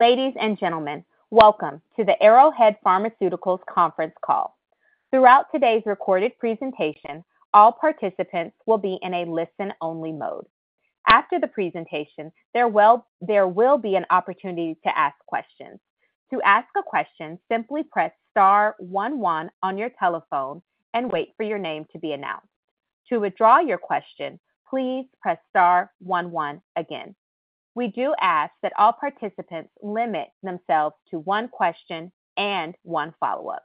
Ladies and gentlemen, welcome to the Arrowhead Pharmaceuticals conference call. Throughout today's recorded presentation, all participants will be in a listen-only mode. After the presentation, there will be an opportunity to ask questions. To ask a question, simply press star 11 on your telephone and wait for your name to be announced. To withdraw your question, please press star 11 again. We do ask that all participants limit themselves to one question and one follow-up.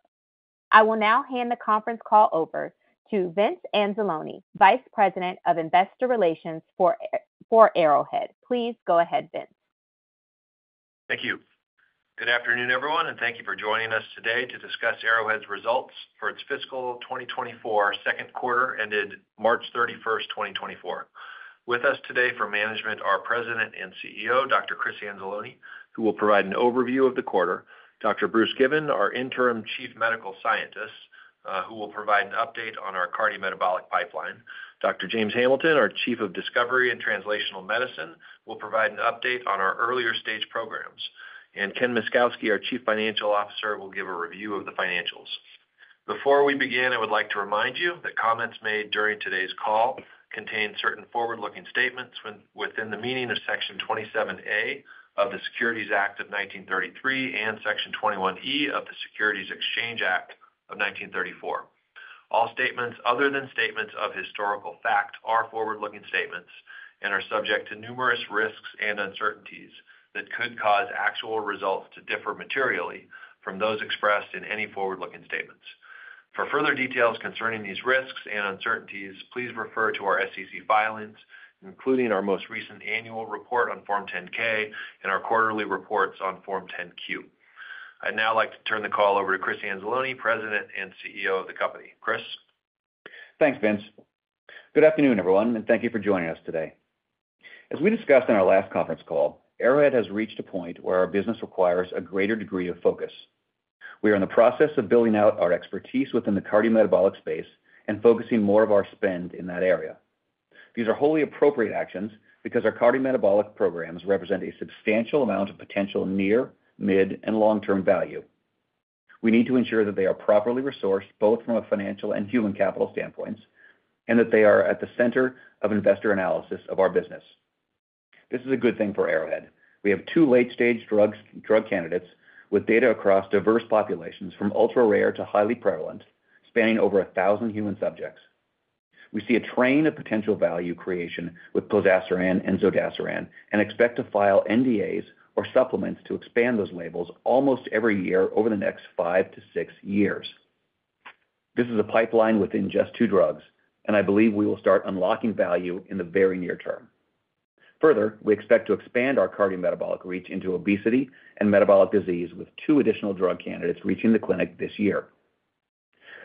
I will now hand the conference call over to Vince Anzalone, Vice President of Investor Relations for Arrowhead. Please go ahead, Vince. Thank you. Good afternoon, everyone, and thank you for joining us today to discuss Arrowhead's results for its fiscal 2024 second quarter, ended March 31st, 2024. With us today for management are President and CEO, Dr. Chris Anzalone, who will provide an overview of the quarter, Dr. Bruce Given, our interim Chief Medical Scientist, who will provide an update on our cardiometabolic pipeline, Dr. James Hamilton, our Chief of Discovery and Translational Medicine, will provide an update on our earlier stage programs, and Ken Myszkowski, our Chief Financial Officer, will give a review of the financials. Before we begin, I would like to remind you that comments made during today's call contain certain forward-looking statements within the meaning of Section 27A of the Securities Act of 1933 and Section 21E of the Securities Exchange Act of 1934. All statements other than statements of historical fact are forward-looking statements and are subject to numerous risks and uncertainties that could cause actual results to differ materially from those expressed in any forward-looking statements. For further details concerning these risks and uncertainties, please refer to our SEC filings, including our most recent annual report on Form 10-K and our quarterly reports on Form 10-Q. I'd now like to turn the call over to Chris Anzalone, President and CEO of the company. Chris? Thanks, Vince. Good afternoon, everyone, and thank you for joining us today. As we discussed in our last conference call, Arrowhead has reached a point where our business requires a greater degree of focus. We are in the process of building out our expertise within the cardiometabolic space and focusing more of our spend in that area. These are wholly appropriate actions because our cardiometabolic programs represent a substantial amount of potential near, mid, and long-term value. We need to ensure that they are properly resourced both from a financial and human capital standpoints and that they are at the center of investor analysis of our business. This is a good thing for Arrowhead. We have two late-stage drug candidates with data across diverse populations, from ultra-rare to highly prevalent, spanning over 1,000 human subjects. We see a train of potential value creation with and Zodasiran and expect to file NDAs or supplements to expand those labels almost every year over the next five to six years. This is a pipeline within just two drugs, and I believe we will start unlocking value in the very near term. Further, we expect to expand our cardiometabolic reach into obesity and metabolic disease with two additional drug candidates reaching the clinic this year.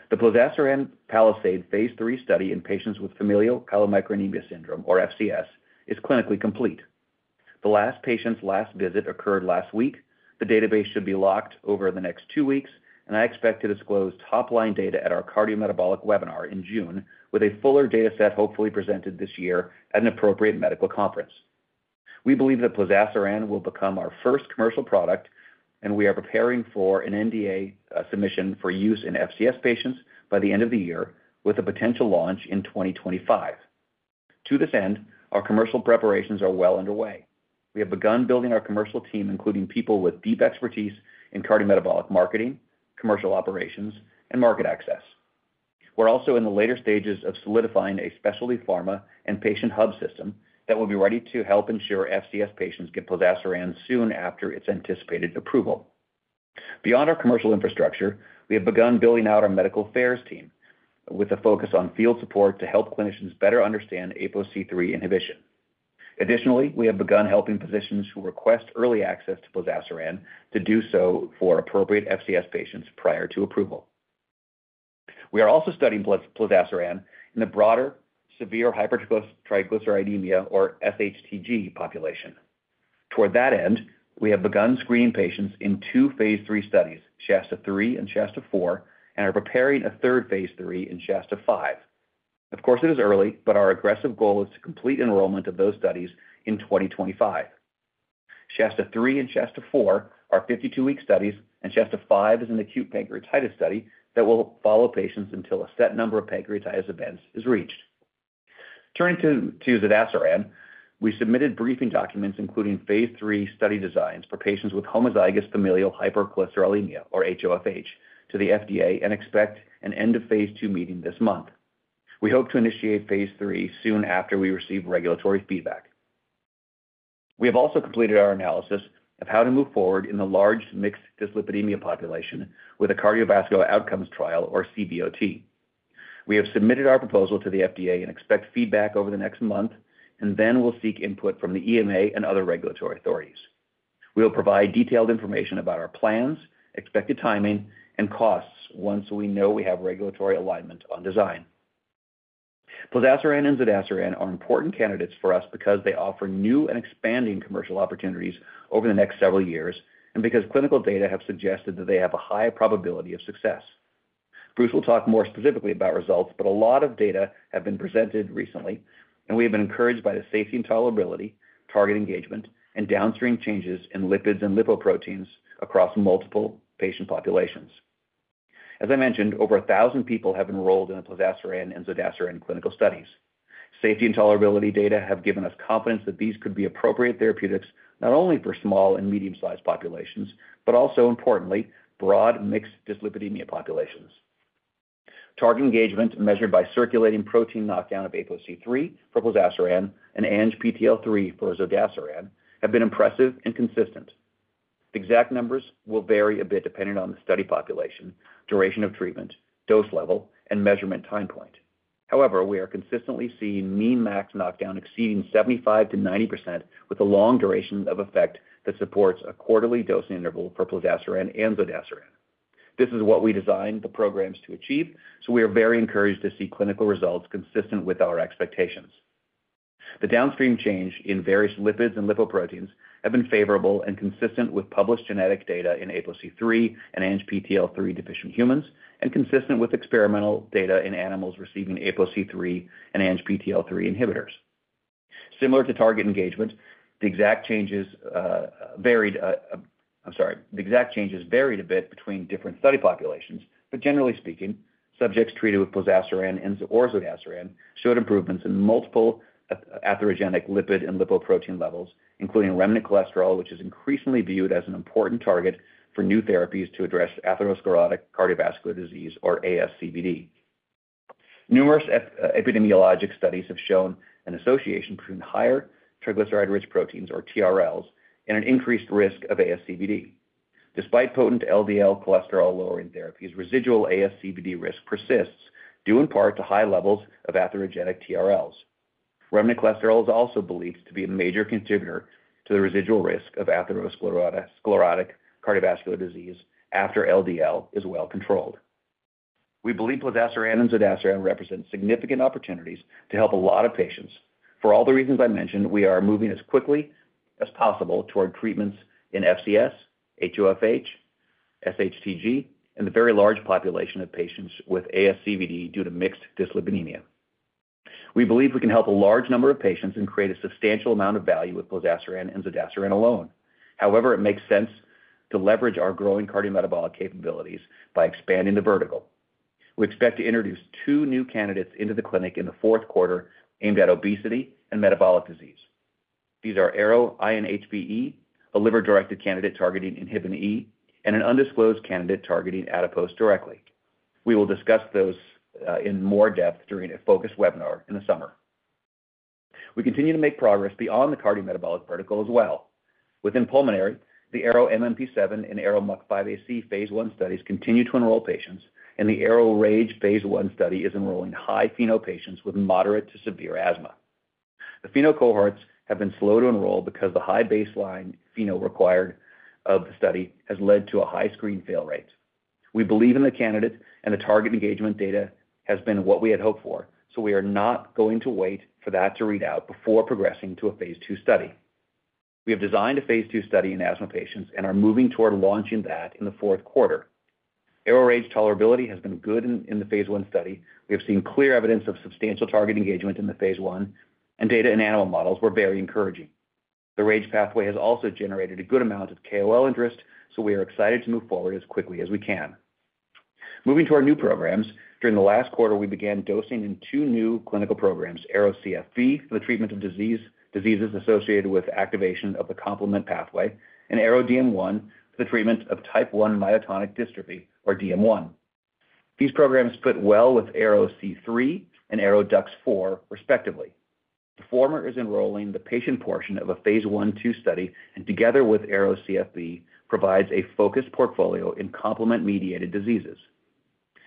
The Plozasiran PALISADE phase III study in patients with familial chylomicronemia syndrome, or FCS, is clinically complete. The last patient's last visit occurred last week. The database should be locked over the next two weeks, and I expect to disclose top-line data at our cardiometabolic webinar in June with a fuller dataset hopefully presented this year at an appropriate medical conference. We believe that Plozasiran will become our first commercial product, and we are preparing for an NDA submission for use in FCS patients by the end of the year, with a potential launch in 2025. To this end, our commercial preparations are well underway. We have begun building our commercial team, including people with deep expertise in cardiometabolic marketing, commercial operations, and market access. We're also in the later stages of solidifying a specialty pharma and patient hub system that will be ready to help ensure FCS patients get Plozasiran soon after its anticipated approval. Beyond our commercial infrastructure, we have begun building out our medical affairs team with a focus on field support to help clinicians better understand APOC3 inhibition. Additionally, we have begun helping physicians who request early access to Plozasiran to do so for appropriate FCS patients prior to approval. We are also studying Plozasiran in the broader severe hypertriglyceridemia, or SHTG, population. Toward that end, we have begun screening patients in two phase III studies, SHASTA III and SHASTA IV, and are preparing a third phase III in SHASTA V. Of course, it is early, but our aggressive goal is to complete enrollment of those studies in 2025. SHASTA III and SHASTA IV are 52-week studies, and SHASTA V is an acute pancreatitis study that will follow patients until a set number of pancreatitis events is reached. Turning to Zodasiran, we submitted briefing documents, including phase III study designs for patients with homozygous familial hypercholesterolemia, or HoFH, to the FDA and expect an end-of-phase II meeting this month. We hope to initiate phase III soon after we receive regulatory feedback. We have also completed our analysis of how to move forward in the large mixed dyslipidemia population with a cardiovascular outcomes trial, or CVOT. We have submitted our proposal to the FDA and expect feedback over the next month, and then we'll seek input from the EMA and other regulatory authorities. We will provide detailed information about our plans, expected timing, and costs once we know we have regulatory alignment on design. Plozasiran and Zodasiran are important candidates for us because they offer new and expanding commercial opportunities over the next several years and because clinical data have suggested that they have a high probability of success. Bruce will talk more specifically about results, but a lot of data have been presented recently, and we have been encouraged by the safety and tolerability, target engagement, and downstream changes in lipids and lipoproteins across multiple patient populations. As I mentioned, over 1,000 people have enrolled in the Plozasiran and Zodasiran clinical studies. Safety and tolerability data have given us confidence that these could be appropriate therapeutics not only for small and medium-sized populations but also, importantly, broad mixed dyslipidemia populations. Target engagement measured by circulating protein knockdown of APOC3 for Plozasiran and ANGPTL3 for Zodasiran have been impressive and consistent. The exact numbers will vary a bit depending on the study population, duration of treatment, dose level, and measurement time point. However, we are consistently seeing mean max knockdown exceeding 75%-90% with a long duration of effect that supports a quarterly dosing interval for Plozasiran and Zodasiran. This is what we designed the programs to achieve, so we are very encouraged to see clinical results consistent with our expectations. The downstream change in various lipids and lipoproteins have been favorable and consistent with published genetic data in APOC3 and ANGPTL3 deficient humans and consistent with experimental data in animals receiving APOC3 and ANGPTL3 inhibitors. Similar to target engagement, the exact changes varied a bit between different study populations, but generally speaking, subjects treated with Plozasiran or Zodasiran showed improvements in multiple atherogenic lipid and lipoprotein levels, including remnant cholesterol, which is increasingly viewed as an important target for new therapies to address atherosclerotic cardiovascular disease, or ASCVD. Numerous epidemiologic studies have shown an association between higher triglyceride-rich lipoproteins, or TRLs, and an increased risk of ASCVD. Despite potent LDL cholesterol-lowering therapies, residual ASCVD risk persists, due in part to high levels of atherogenic TRLs. Remnant cholesterol is also believed to be a major contributor to the residual risk of atherosclerotic cardiovascular disease after LDL is well controlled. We believe Plozasiran and Zodasiran represent significant opportunities to help a lot of patients. For all the reasons I mentioned, we are moving as quickly as possible toward treatments in FCS, HoFH, SHTG, and the very large population of patients with ASCVD due to mixed dyslipidemia. We believe we can help a large number of patients and create a substantial amount of value with Plozasiran and Zodasiran alone. However, it makes sense to leverage our growing cardiometabolic capabilities by expanding the vertical. We expect to introduce two new candidates into the clinic in the fourth quarter aimed at obesity and metabolic disease. These are ARO-INHBE, a liver-directed candidate targeting inhibin E, and an undisclosed candidate targeting adipose directly. We will discuss those in more depth during a focused webinar in the summer. We continue to make progress beyond the cardiometabolic vertical as well. Within pulmonary, the ARO-MMP7 and ARO-MUC5AC phase I studies continue to enroll patients, and the ARO-RAGE phase I study is enrolling high-FeNO patients with moderate to severe asthma. The FeNO cohorts have been slow to enroll because the high baseline FeNO required of the study has led to a high screen fail rate. We believe in the candidates, and the target engagement data has been what we had hoped for, so we are not going to wait for that to read out before progressing to a phase II study. We have designed a phase II study in asthma patients and are moving toward launching that in the fourth quarter. ARO-RAGE tolerability has been good in the phase I study. We have seen clear evidence of substantial target engagement in the phase I, and data in animal models were very encouraging. The RAGE pathway has also generated a good amount of KOL interest, so we are excited to move forward as quickly as we can. Moving to our new programs, during the last quarter, we began dosing in two new clinical programs, ARO-CFB for the treatment of diseases associated with activation of the complement pathway and ARO-DM1 for the treatment of type 1 myotonic dystrophy, or DM1. These programs fit well with ARO-C3 and ARO-DUX4, respectively. The former is enrolling the patient portion of a phase I/II study and, together with ARO-CFB, provides a focused portfolio in complement-mediated diseases.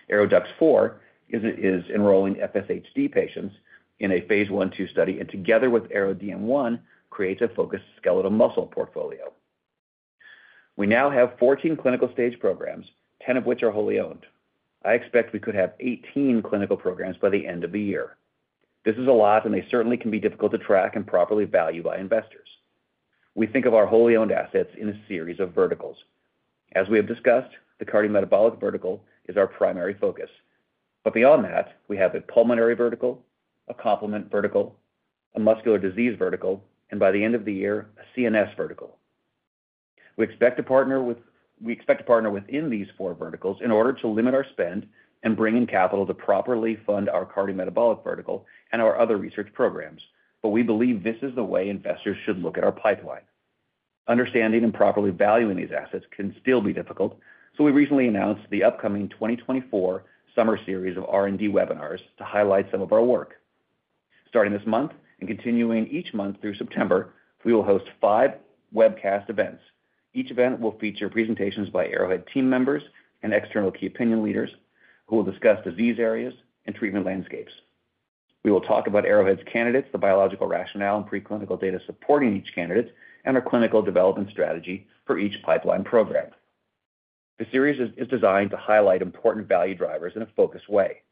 ARO-DUX4 is enrolling FSHD patients in a phase I/II study and, together with ARO-DM1, creates a focused skeletal muscle portfolio. We now have 14 clinical stage programs, 10 of which are wholly owned. I expect we could have 18 clinical programs by the end of the year. This is a lot, and they certainly can be difficult to track and properly value by investors. We think of our wholly owned assets in a series of verticals. As we have discussed, the cardiometabolic vertical is our primary focus. But beyond that, we have a pulmonary vertical, a complement vertical, a muscular disease vertical, and, by the end of the year, a CNS vertical. We expect to partner within these four verticals in order to limit our spend and bring in capital to properly fund our cardiometabolic vertical and our other research programs, but we believe this is the way investors should look at our pipeline. Understanding and properly valuing these assets can still be difficult, so we recently announced the upcoming 2024 Summer Series of R&D webinars to highlight some of our work. Starting this month and continuing each month through September, we will host five webcast events. Each event will feature presentations by Arrowhead team members and external key opinion leaders who will discuss disease areas and treatment landscapes. We will talk about Arrowhead's candidates, the biological rationale and preclinical data supporting each candidate, and our clinical development strategy for each pipeline program. The series is designed to highlight important value drivers in a focused way.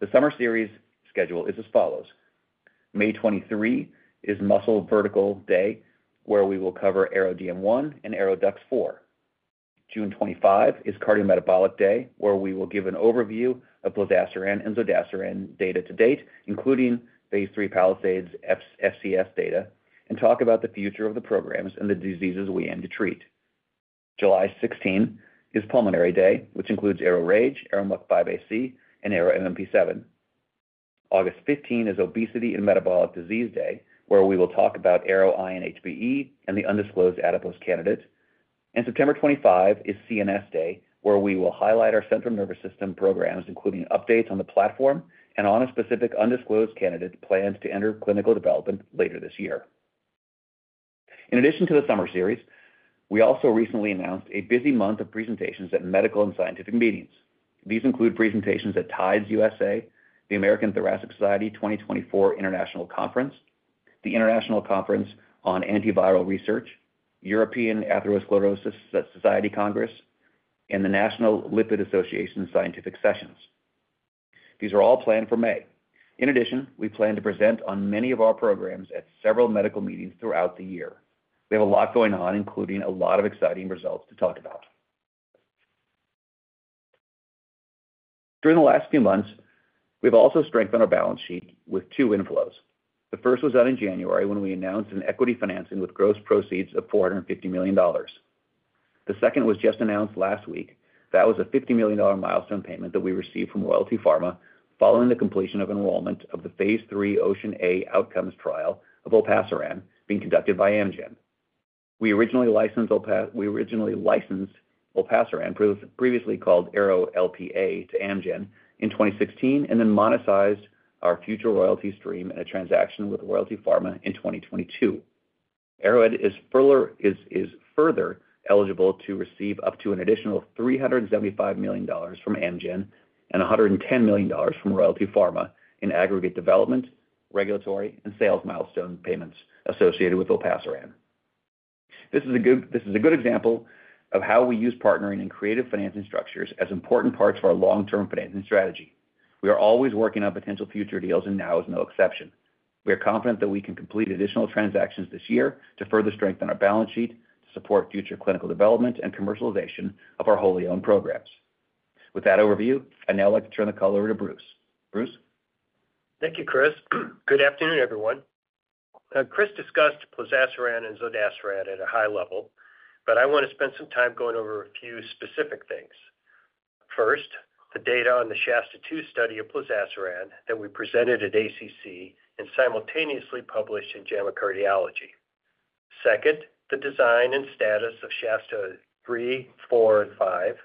The summer series schedule is as follows: May 23 is Muscle Vertical Day, where we will cover ARO-DM1 and ARO-DUX4. June 25 is Cardiometabolic Day, where we will give an overview of Plozasiran and Zodasiran data to date, including Phase III PALISADE FCS data, and talk about the future of the programs and the diseases we aim to treat. July 16 is Pulmonary Day, which includes ARO-RAGE, ARO-MUC5AC, and ARO-MMP7. August 15 is Obesity and Metabolic Disease Day, where we will talk about ARO-INHBE and the undisclosed adipose candidate. September 25 is CNS Day, where we will highlight our central nervous system programs, including updates on the platform and on a specific undisclosed candidate planned to enter clinical development later this year. In addition to the summer series, we also recently announced a busy month of presentations at medical and scientific meetings. These include presentations at TIDES USA, the American Thoracic Society 2024 International Conference, the International Conference on Antiviral Research, European Atherosclerosis Society Congress, and the National Lipid Association Scientific Sessions. These are all planned for May. In addition, we plan to present on many of our programs at several medical meetings throughout the year. We have a lot going on, including a lot of exciting results to talk about. During the last few months, we've also strengthened our balance sheet with two inflows. The first was done in January when we announced an equity financing with gross proceeds of $450 million. The second was just announced last week. That was a $50 million milestone payment that we received from Royalty Pharma following the completion of enrollment of the phase III OCEAN(a) outcomes trial of olpasiran being conducted by Amgen. We originally licensed olpasiran, previously called ARO-LPA, to Amgen in 2016 and then monetized our future royalty stream in a transaction with Royalty Pharma in 2022. Arrowhead is further eligible to receive up to an additional $375 million from Amgen and $110 million from Royalty Pharma in aggregate development, regulatory, and sales milestone payments associated with olpasiran. This is a good example of how we use partnering and creative financing structures as important parts of our long-term financing strategy. We are always working on potential future deals, and now is no exception. We are confident that we can complete additional transactions this year to further strengthen our balance sheet, to support future clinical development and commercialization of our wholly owned programs. With that overview, I now like to turn the call over to Bruce. Bruce? Thank you, Chris. Good afternoon, everyone. Chris discussed Plozasiran and Zodasiran at a high level, but I want to spend some time going over a few specific things. First, the data on the SHASTA II study of Plozasiran that we presented at ACC and simultaneously published in JAMA Cardiology. Second, the design and status of SHASTA III, IV, and V.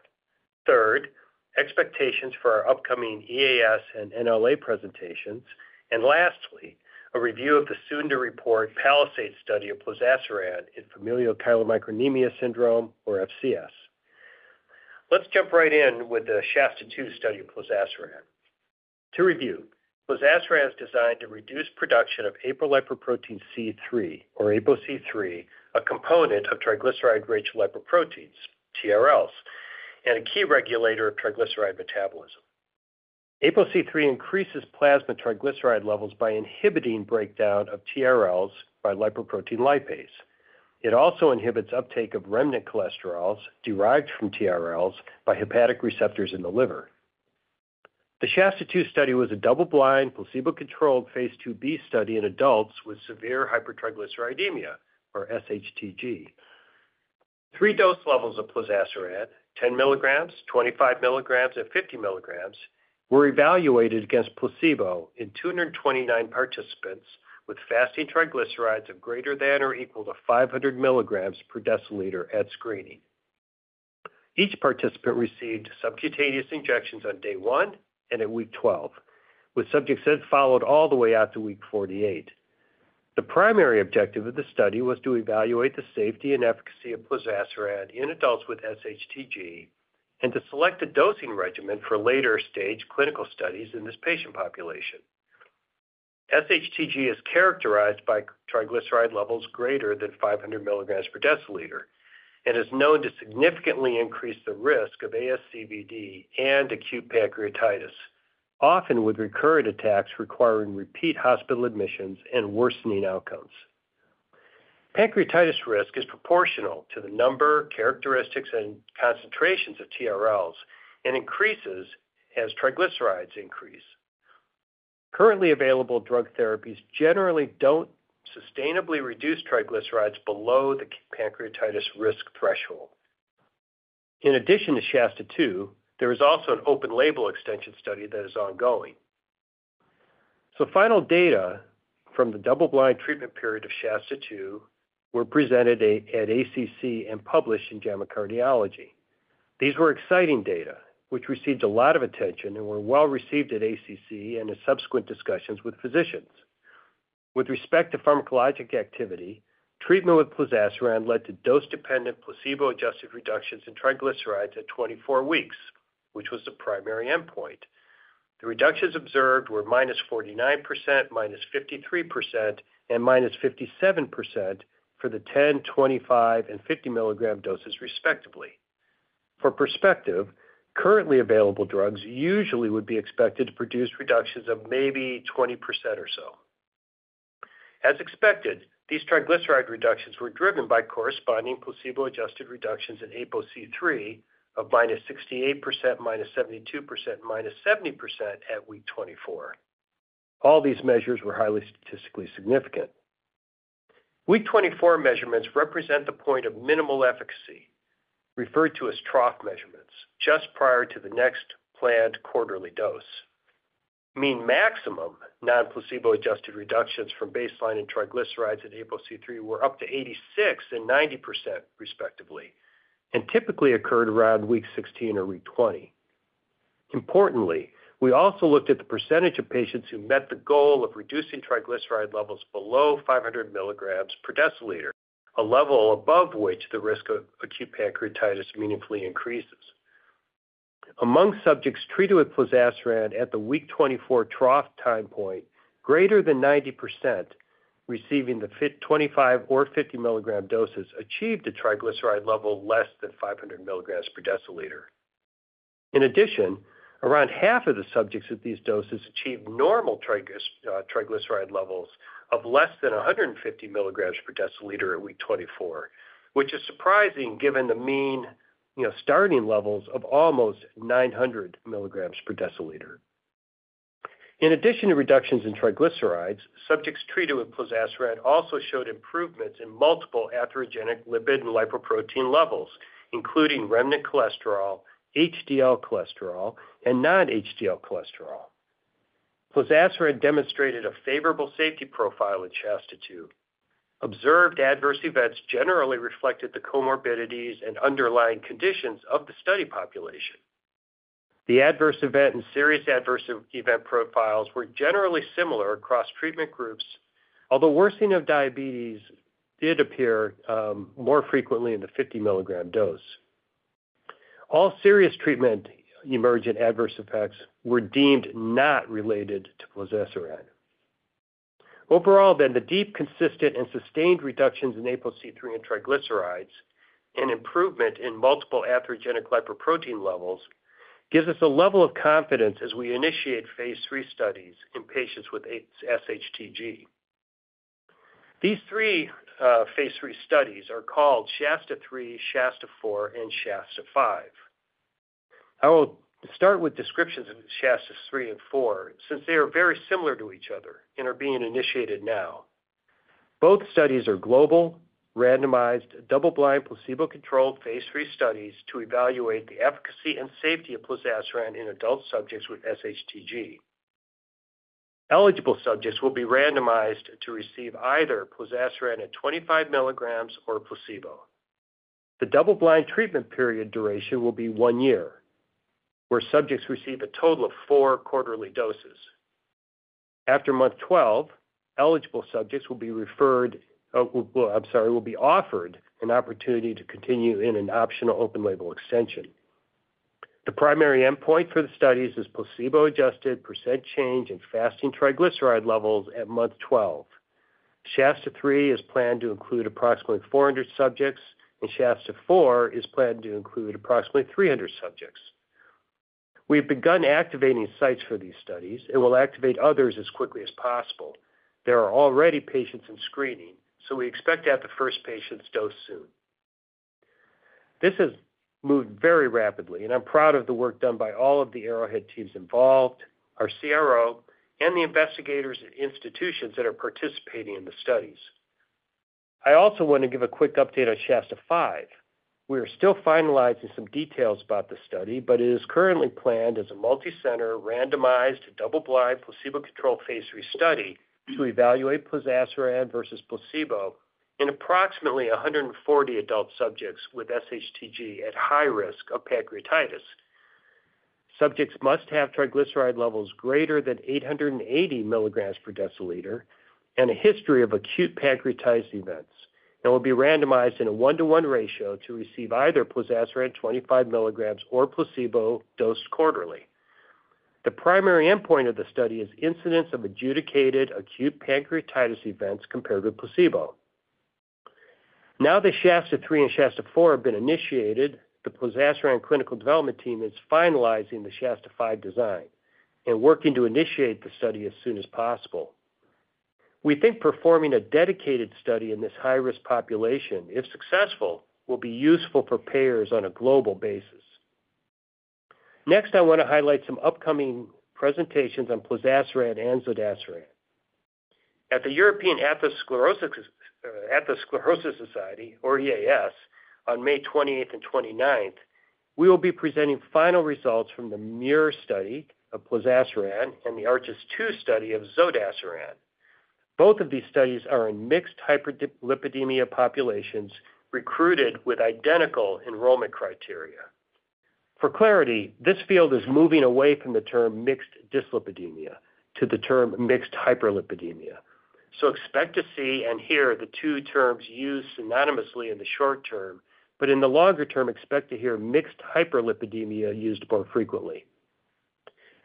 Third, expectations for our upcoming EAS and NLA presentations. And lastly, a review of the soon-to-report Palisade study of Plozasiran in familial chylomicronemia syndrome, or FCS. Let's jump right in with the SHASTA II study of Plozasiran. To review, Plozasiran is designed to reduce production of apolipoprotein C-III, or APOC3, a component of triglyceride-rich lipoproteins, TRLs, and a key regulator of triglyceride metabolism. APOC3 increases plasma triglyceride levels by inhibiting breakdown of TRLs by lipoprotein lipase. It also inhibits uptake of remnant cholesterols derived from TRLs by hepatic receptors in the liver. The SHASTA II study was a double-blind, placebo-controlled phase IIB study in adults with severe hypertriglyceridemia, or SHTG. 3 dose levels of Plozasiran, 10 milligrams, 25 milligrams, and 50 milligrams, were evaluated against placebo in 229 participants with fasting triglycerides of greater than or equal to 500 milligrams per deciliter at screening. Each participant received subcutaneous injections on day 1 and at week 12, with subjects then followed all the way out to week 48. The primary objective of the study was to evaluate the safety and efficacy of Plozasiran in adults with SHTG and to select a dosing regimen for later-stage clinical studies in this patient population. SHTG is characterized by triglyceride levels greater than 500 milligrams per deciliter and is known to significantly increase the risk of ASCVD and acute pancreatitis, often with recurrent attacks requiring repeat hospital admissions and worsening outcomes. Pancreatitis risk is proportional to the number, characteristics, and concentrations of TRLs and increases as triglycerides increase. Currently available drug therapies generally don't sustainably reduce triglycerides below the pancreatitis risk threshold. In addition to SHASTA II, there is also an open-label extension study that is ongoing. Final data from the double-blind treatment period of SHASTA II were presented at ACC and published in JAMA Cardiology. These were exciting data, which received a lot of attention and were well received at ACC and in subsequent discussions with physicians. With respect to pharmacologic activity, treatment with Plozasiran led to dose-dependent placebo-adjusted reductions in triglycerides at 24 weeks, which was the primary endpoint. The reductions observed were -49%, -53%, and -57% for the 10mg, 25mg, and 50mg doses, respectively. For perspective, currently available drugs usually would be expected to produce reductions of maybe 20% or so. As expected, these triglyceride reductions were driven by corresponding placebo-adjusted reductions in APOC3 of -68%, -72%, and -70% at week 24. All these measures were highly statistically significant. Week 24 measurements represent the point of minimal efficacy, referred to as trough measurements, just prior to the next planned quarterly dose. Mean maximum non-placebo-adjusted reductions from baseline in triglycerides at APOC3 were up to 86% and 90%, respectively, and typically occurred around week 16 or week 20. Importantly, we also looked at the percentage of patients who met the goal of reducing triglyceride levels below 500mg/dL, a level above which the risk of acute pancreatitis meaningfully increases. Among subjects treated with Plozasiran at the week 24 trough time point, greater than 90% receiving the 25 or 50 milligram doses achieved a triglyceride level less than 500 milligrams per deciliter. In addition, around half of the subjects at these doses achieved normal triglyceride levels of less than 150 milligrams per deciliter at week 24, which is surprising given the mean starting levels of almost 900 milligrams per deciliter. In addition to reductions in triglycerides, subjects treated with Plozasiran also showed improvements in multiple atherogenic lipid and lipoprotein levels, including remnant cholesterol, HDL cholesterol, and non-HDL cholesterol. Plozasiran demonstrated a favorable safety profile in SHASTA II. Observed adverse events generally reflected the comorbidities and underlying conditions of the study population. The adverse event and serious adverse event profiles were generally similar across treatment groups, although worsening of diabetes did appear more frequently in the 50 milligram dose. All serious treatment emergent adverse effects were deemed not related to Plozasiran. Overall then, the deep, consistent, and sustained reductions in APOC3 and triglycerides and improvement in multiple atherogenic lipoprotein levels gives us a level of confidence as we initiate phase III studies in patients with SHTG. These three phase III studies are called SHASTA III, SHASTA IV, and SHASTA V. I will start with descriptions of SHASTA III and IV since they are very similar to each other and are being initiated now. Both studies are global, randomized, double-blind, placebo-controlled phase III studies to evaluate the efficacy and safety of Plozasiran in adult subjects with SHTG. Eligible subjects will be randomized to receive either Plozasiran at 25mg or placebo. The double-blind treatment period duration will be one year, where subjects receive a total of four quarterly doses. After month 12, eligible subjects will be offered an opportunity to continue in an optional open-label extension. The primary endpoint for the studies is placebo-adjusted % change in fasting triglyceride levels at month 12. SHASTA III is planned to include approximately 400 subjects, and SHASTA IV is planned to include approximately 300 subjects. We've begun activating sites for these studies, and we'll activate others as quickly as possible. There are already patients in screening, so we expect to have the first patients dosed soon. This has moved very rapidly, and I'm proud of the work done by all of the Arrowhead teams involved, our CRO, and the investigators and institutions that are participating in the studies. I also want to give a quick update on SHASTA V. We are still finalizing some details about the study, but it is currently planned as a multicenter randomized double-blind placebo-controlled phase III study to evaluate Plozasiran versus placebo in approximately 140 adult subjects with SHTG at high risk of pancreatitis. Subjects must have triglyceride levels greater than 880 milligrams per deciliter and a history of acute pancreatitis events, and will be randomized in a 1:1 ratio to receive either Plozasiran 25 milligrams or placebo dosed quarterly. The primary endpoint of the study is incidence of adjudicated acute pancreatitis events compared with placebo. Now that SHASTA III and SHASTA IV have been initiated, the Plozasiran clinical development team is finalizing the SHASTA V design and working to initiate the study as soon as possible. We think performing a dedicated study in this high-risk population, if successful, will be useful for payers on a global basis. Next, I want to highlight some upcoming presentations on Plozasiran and Zodasiran. At the European Atherosclerosis Society, or EAS, on May 28th and 29th, we will be presenting final results from the MUIR study of Plozasiran and the ARCHES II study of Zodasiran. Both of these studies are in mixed hyperlipidemia populations recruited with identical enrollment criteria. For clarity, this field is moving away from the term mixed dyslipidemia to the term mixed hyperlipidemia. So expect to see and hear the two terms used synonymously in the short term, but in the longer term, expect to hear mixed hyperlipidemia used more frequently.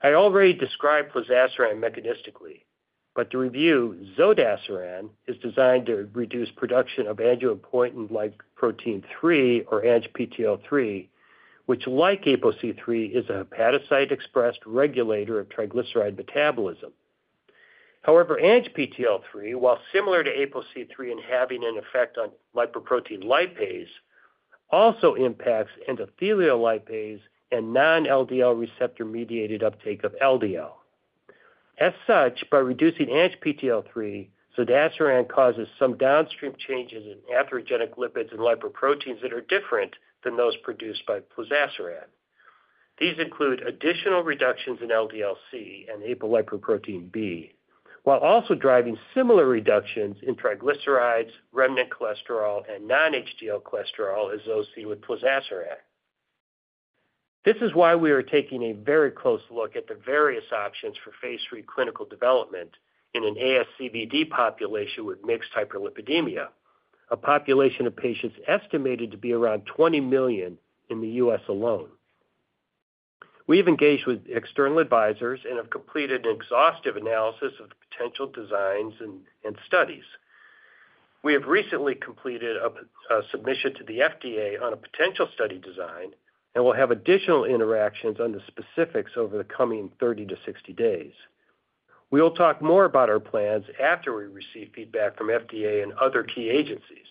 I already described Plozasiran mechanistically, but to review, Zodasiran is designed to reduce production of angiopoietin-like protein 3, or ANGPTL3, which, like APOC3, is a hepatocyte-expressed regulator of triglyceride metabolism. However, ANGPTL3, while similar to APOC3 and having an effect on lipoprotein lipase, also impacts endothelial lipase and non-LDL receptor-mediated uptake of LDL. As such, by reducing ANGPTL3, Zodasiran causes some downstream changes in atherogenic lipids and lipoproteins that are different than those produced by Plozasiran. These include additional reductions in LDL-C and apolipoprotein B, while also driving similar reductions in triglycerides, remnant cholesterol, and non-HDL cholesterol as those seen with Plozasiran. This is why we are taking a very close look at the various options for phase III clinical development in an ASCVD population with mixed hyperlipidemia, a population of patients estimated to be around 20 million in the U.S. alone. We've engaged with external advisors and have completed an exhaustive analysis of potential designs and studies. We have recently completed a submission to the FDA on a potential study design and will have additional interactions on the specifics over the coming 30 to 60 days. We will talk more about our plans after we receive feedback from FDA and other key agencies.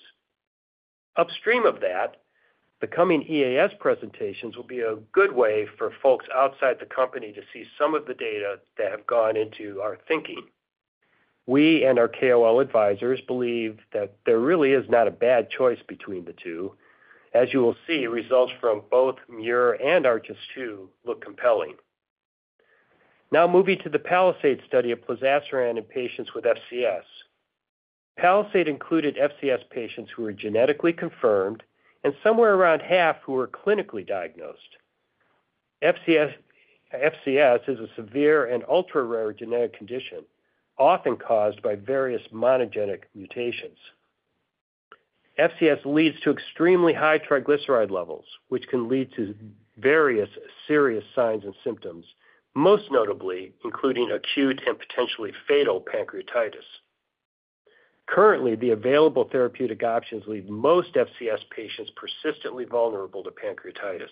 Upstream of that, the coming EAS presentations will be a good way for folks outside the company to see some of the data that have gone into our thinking. We and our KOL advisors believe that there really is not a bad choice between the two. As you will see, results from both MUIR and ARCHES II look compelling. Now moving to the Palisade study of Plozasiran in patients with FCS. Palisade included FCS patients who were genetically confirmed and somewhere around half who were clinically diagnosed. FCS is a severe and ultra-rare genetic condition, often caused by various monogenic mutations. FCS leads to extremely high triglyceride levels, which can lead to various serious signs and symptoms, most notably including acute and potentially fatal pancreatitis. Currently, the available therapeutic options leave most FCS patients persistently vulnerable to pancreatitis.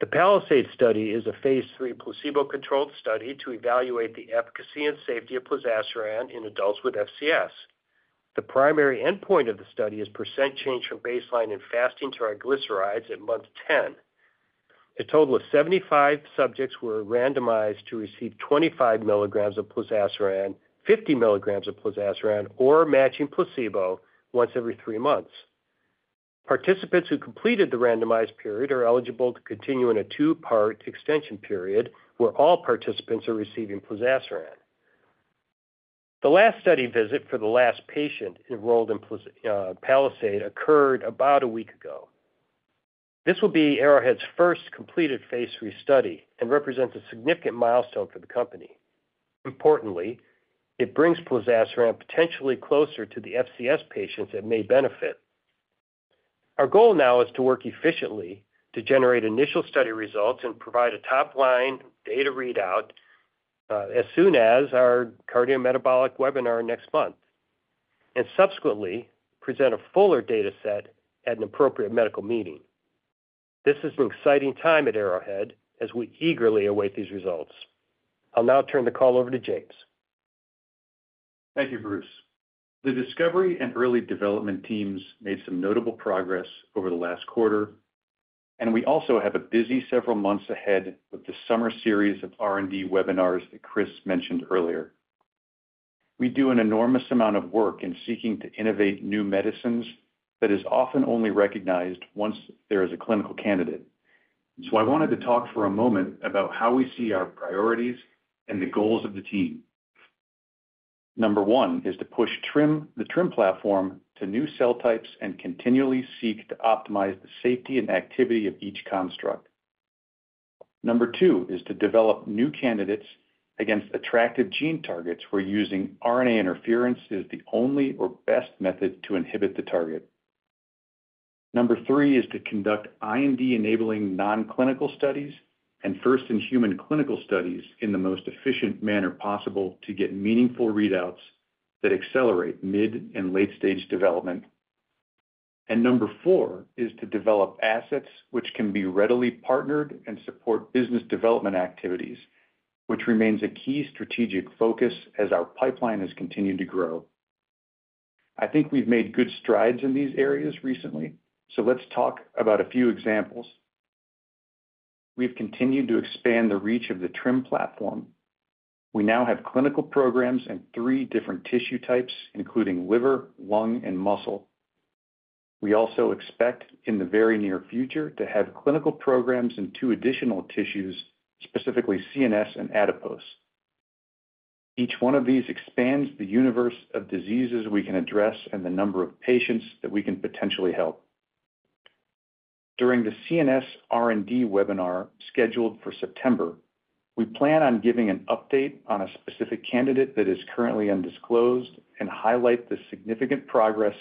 The PALISADE study is a phase III placebo-controlled study to evaluate the efficacy and safety of Plozasiran in adults with FCS. The primary endpoint of the study is percent change from baseline in fasting triglycerides at month 10. A total of 75 subjects were randomized to receive 25 milligrams of Plozasiran, 50 milligrams of Plozasiran, or matching placebo once every three months. Participants who completed the randomized period are eligible to continue in a two-part extension period where all participants are receiving Plozasiran. The last study visit for the last patient enrolled in PALISADE occurred about a week ago. This will be Arrowhead's first completed phase III study and represents a significant milestone for the company. Importantly, it brings Plozasiran potentially closer to the FCS patients that may benefit. Our goal now is to work efficiently to generate initial study results and provide a top-line data readout as soon as our cardiometabolic webinar next month, and subsequently present a fuller data set at an appropriate medical meeting. This is an exciting time at Arrowhead as we eagerly await these results. I'll now turn the call over to James. Thank you, Bruce. The discovery and early development teams made some notable progress over the last quarter, and we also have a busy several months ahead with the summer series of R&D webinars that Chris mentioned earlier. We do an enormous amount of work in seeking to innovate new medicines that is often only recognized once there is a clinical candidate. So I wanted to talk for a moment about how we see our priorities and the goals of the team. Number 1 is to push TRiM, the TRiM platform, to new cell types and continually seek to optimize the safety and activity of each construct. Number 2 is to develop new candidates against attractive gene targets where using RNA interference is the only or best method to inhibit the target. Number 3 is to conduct R&D-enabling non-clinical studies and first-in-human clinical studies in the most efficient manner possible to get meaningful readouts that accelerate mid and late-stage development. And number 4 is to develop assets which can be readily partnered and support business development activities, which remains a key strategic focus as our pipeline has continued to grow. I think we've made good strides in these areas recently, so let's talk about a few examples. We've continued to expand the reach of the TRiM platform. We now have clinical programs in three different tissue types, including liver, lung, and muscle. We also expect, in the very near future, to have clinical programs in two additional tissues, specifically CNS and adipose. Each one of these expands the universe of diseases we can address and the number of patients that we can potentially help. During the CNS R&D webinar scheduled for September, we plan on giving an update on a specific candidate that is currently undisclosed and highlight the significant progress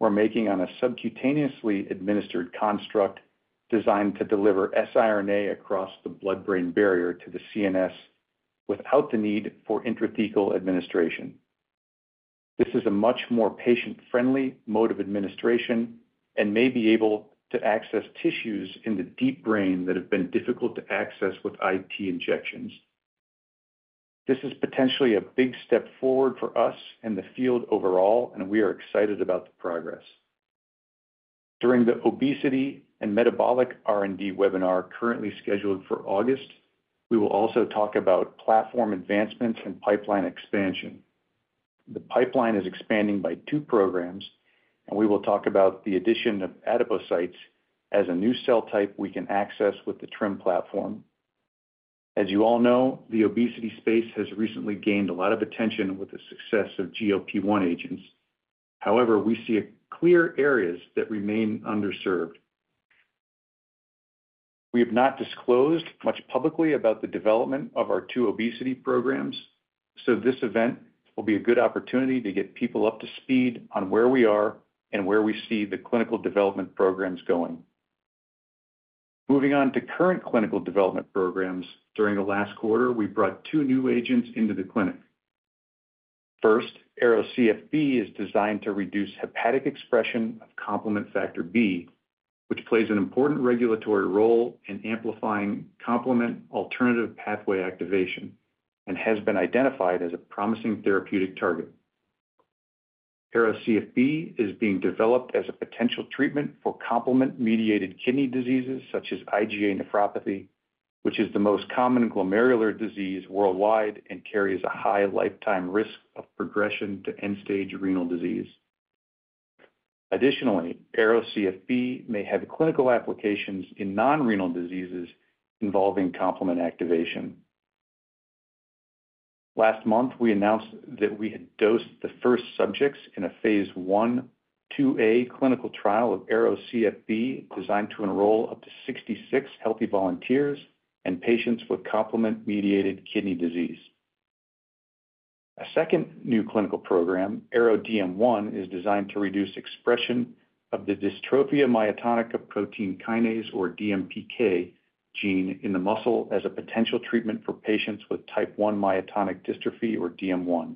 we're making on a subcutaneously administered construct designed to deliver siRNA across the blood-brain barrier to the CNS without the need for intrathecal administration. This is a much more patient-friendly mode of administration and may be able to access tissues in the deep brain that have been difficult to access with IT injections. This is potentially a big step forward for us and the field overall, and we are excited about the progress. During the obesity and metabolic R&D webinar currently scheduled for August, we will also talk about platform advancements and pipeline expansion. The pipeline is expanding by two programs, and we will talk about the addition of adipocytes as a new cell type we can access with the TRiM platform. As you all know, the obesity space has recently gained a lot of attention with the success of GLP-1 agents. However, we see clear areas that remain underserved. We have not disclosed much publicly about the development of our two obesity programs, so this event will be a good opportunity to get people up to speed on where we are and where we see the clinical development programs going. Moving on to current clinical development programs, during the last quarter, we brought two new agents into the clinic. First, ARO-CFB is designed to reduce hepatic expression of complement factor B, which plays an important regulatory role in amplifying complement alternative pathway activation and has been identified as a promising therapeutic target. ARO-CFB is being developed as a potential treatment for complement-mediated kidney diseases such as IgA nephropathy, which is the most common glomerular disease worldwide and carries a high lifetime risk of progression to end-stage renal disease. Additionally, ARO-CFB may have clinical applications in non-renal diseases involving complement activation. Last month, we announced that we had dosed the first subjects in a phase I/IIa clinical trial of ARO-CFB designed to enroll up to 66 healthy volunteers and patients with complement-mediated kidney disease. A second new clinical program, ARO-DM1, is designed to reduce expression of the dystrophia myotonica protein kinase, or DMPK, gene in the muscle as a potential treatment for patients with type 1 myotonic dystrophy, or DM1.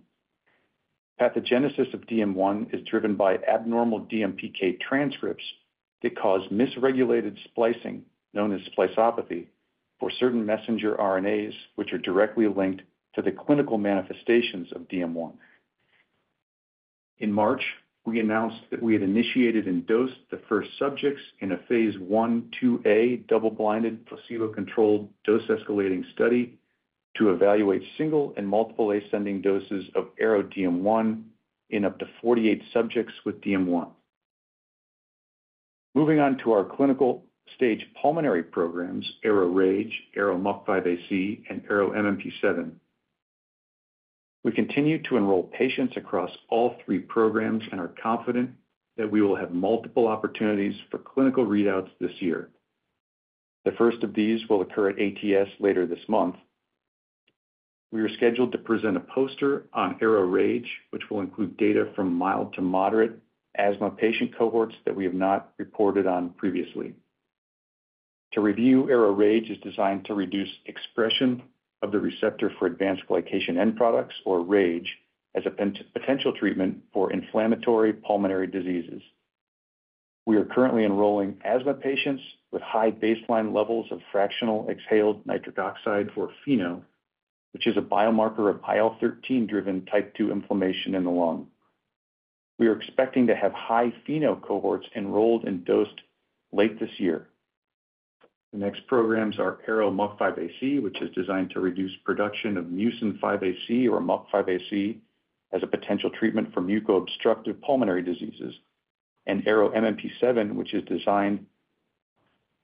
Pathogenesis of DM1 is driven by abnormal DMPK transcripts that cause misregulated splicing, known as splicopathy, for certain messenger RNAs, which are directly linked to the clinical manifestations of DM1. In March, we announced that we had initiated and dosed the first subjects in a phase I/IIa double-blinded placebo-controlled dose-escalating study to evaluate single and multiple ascending doses of ARO-DM1 in up to 48 subjects with DM1. Moving on to our clinical-stage pulmonary programs, ARO-RAGE, ARO-MUC5AC, and ARO-MMP7, we continue to enroll patients across all three programs and are confident that we will have multiple opportunities for clinical readouts this year. The first of these will occur at ATS later this month. We are scheduled to present a poster on ARO-RAGE, which will include data from mild to moderate asthma patient cohorts that we have not reported on previously. To review, ARO-RAGE is designed to reduce expression of the receptor for advanced glycation end products, or RAGE, as a potential treatment for inflammatory pulmonary diseases. We are currently enrolling asthma patients with high baseline levels of fractional exhaled nitric oxide, or FeNO, which is a biomarker of IL-13-driven type 2 inflammation in the lung. We are expecting to have high FeNO cohorts enrolled and dosed late this year. The next programs are ARO-MUC5AC, which is designed to reduce production of mucin 5AC, or MUC5AC, as a potential treatment for muco-obstructive pulmonary diseases, and ARO-MMP7, which is designed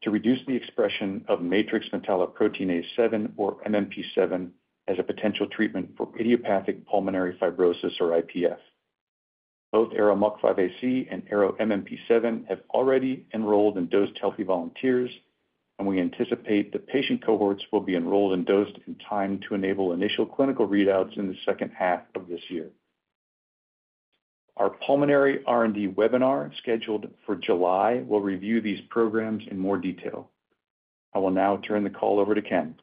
to reduce the expression of matrix metalloproteinase 7, or MMP7, as a potential treatment for idiopathic pulmonary fibrosis, or IPF. Both ARO-MUC5AC and ARO-MMP7 have already enrolled and dosed healthy volunteers, and we anticipate the patient cohorts will be enrolled and dosed in time to enable initial clinical readouts in the second half of this year. Our pulmonary R&D webinar scheduled for July will review these programs in more detail. I will now turn the call over to Ken.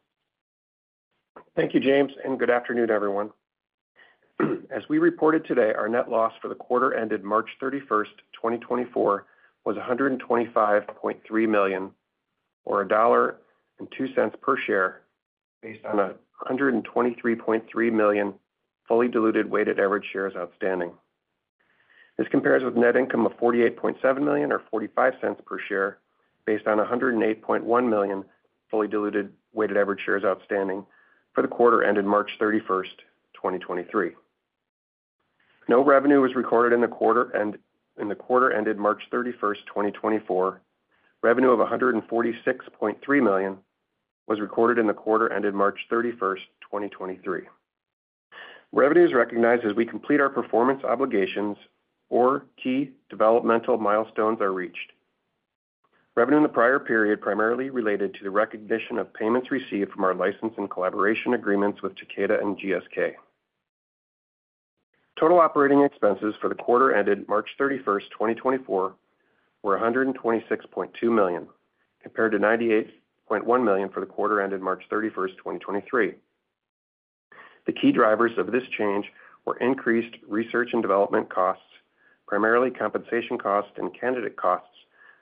Thank you, James, and good afternoon, everyone. As we reported today, our net loss for the quarter ended March 31st, 2024, was $125.3 million, or $1.02 per share, based on 123.3 million fully diluted weighted average shares outstanding. This compares with net income of $48.7 million, or $0.45 per share, based on 108.1 million fully diluted weighted average shares outstanding for the quarter ended March 31st, 2023. No revenue was recorded in the quarter ended March 31st, 2024. Revenue of $146.3 million was recorded in the quarter ended March 31st, 2023. Revenue is recognized as we complete our performance obligations, or key developmental milestones are reached. Revenue in the prior period primarily related to the recognition of payments received from our license and collaboration agreements with Takeda and GSK. Total operating expenses for the quarter ended March 31st, 2024, were $126.2 million, compared to $98.1 million for the quarter ended March 31st, 2023. The key drivers of this change were increased research and development costs, primarily compensation costs and candidate costs,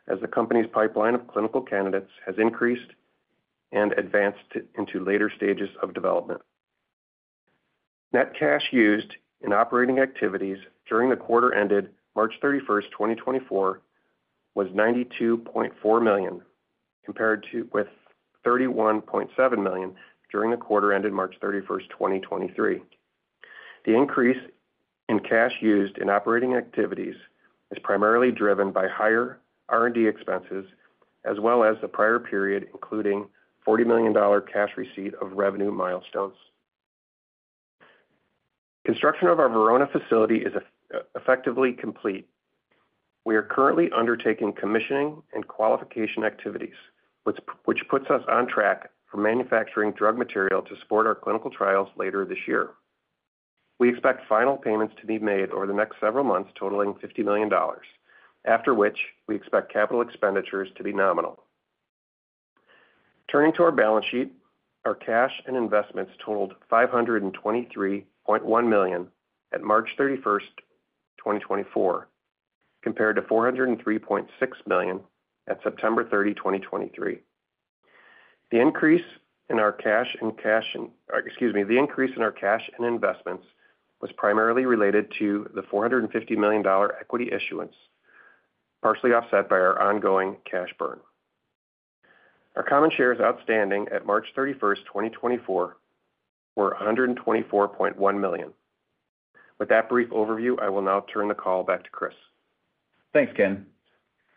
as the company's pipeline of clinical candidates has increased and advanced into later stages of development. Net cash used in operating activities during the quarter ended March 31st, 2024, was $92.4 million, compared with $31.7 million during the quarter ended March 31st, 2023. The increase in cash used in operating activities is primarily driven by higher R&D expenses, as well as the prior period, including $40 million cash receipt of revenue milestones. Construction of our Verona facility is effectively complete. We are currently undertaking commissioning and qualification activities, which puts us on track for manufacturing drug material to support our clinical trials later this year. We expect final payments to be made over the next several months, totaling $50 million, after which we expect capital expenditures to be nominal. Turning to our balance sheet, our cash and investments totaled $523.1 million at March 31st, 2024, compared to $403.6 million at September 30, 2023. The increase in our cash and investments was primarily related to the $450 million equity issuance, partially offset by our ongoing cash burn. Our common shares outstanding at March 31st, 2024, were 124.1 million. With that brief overview, I will now turn the call back to Chris. Thanks, Ken.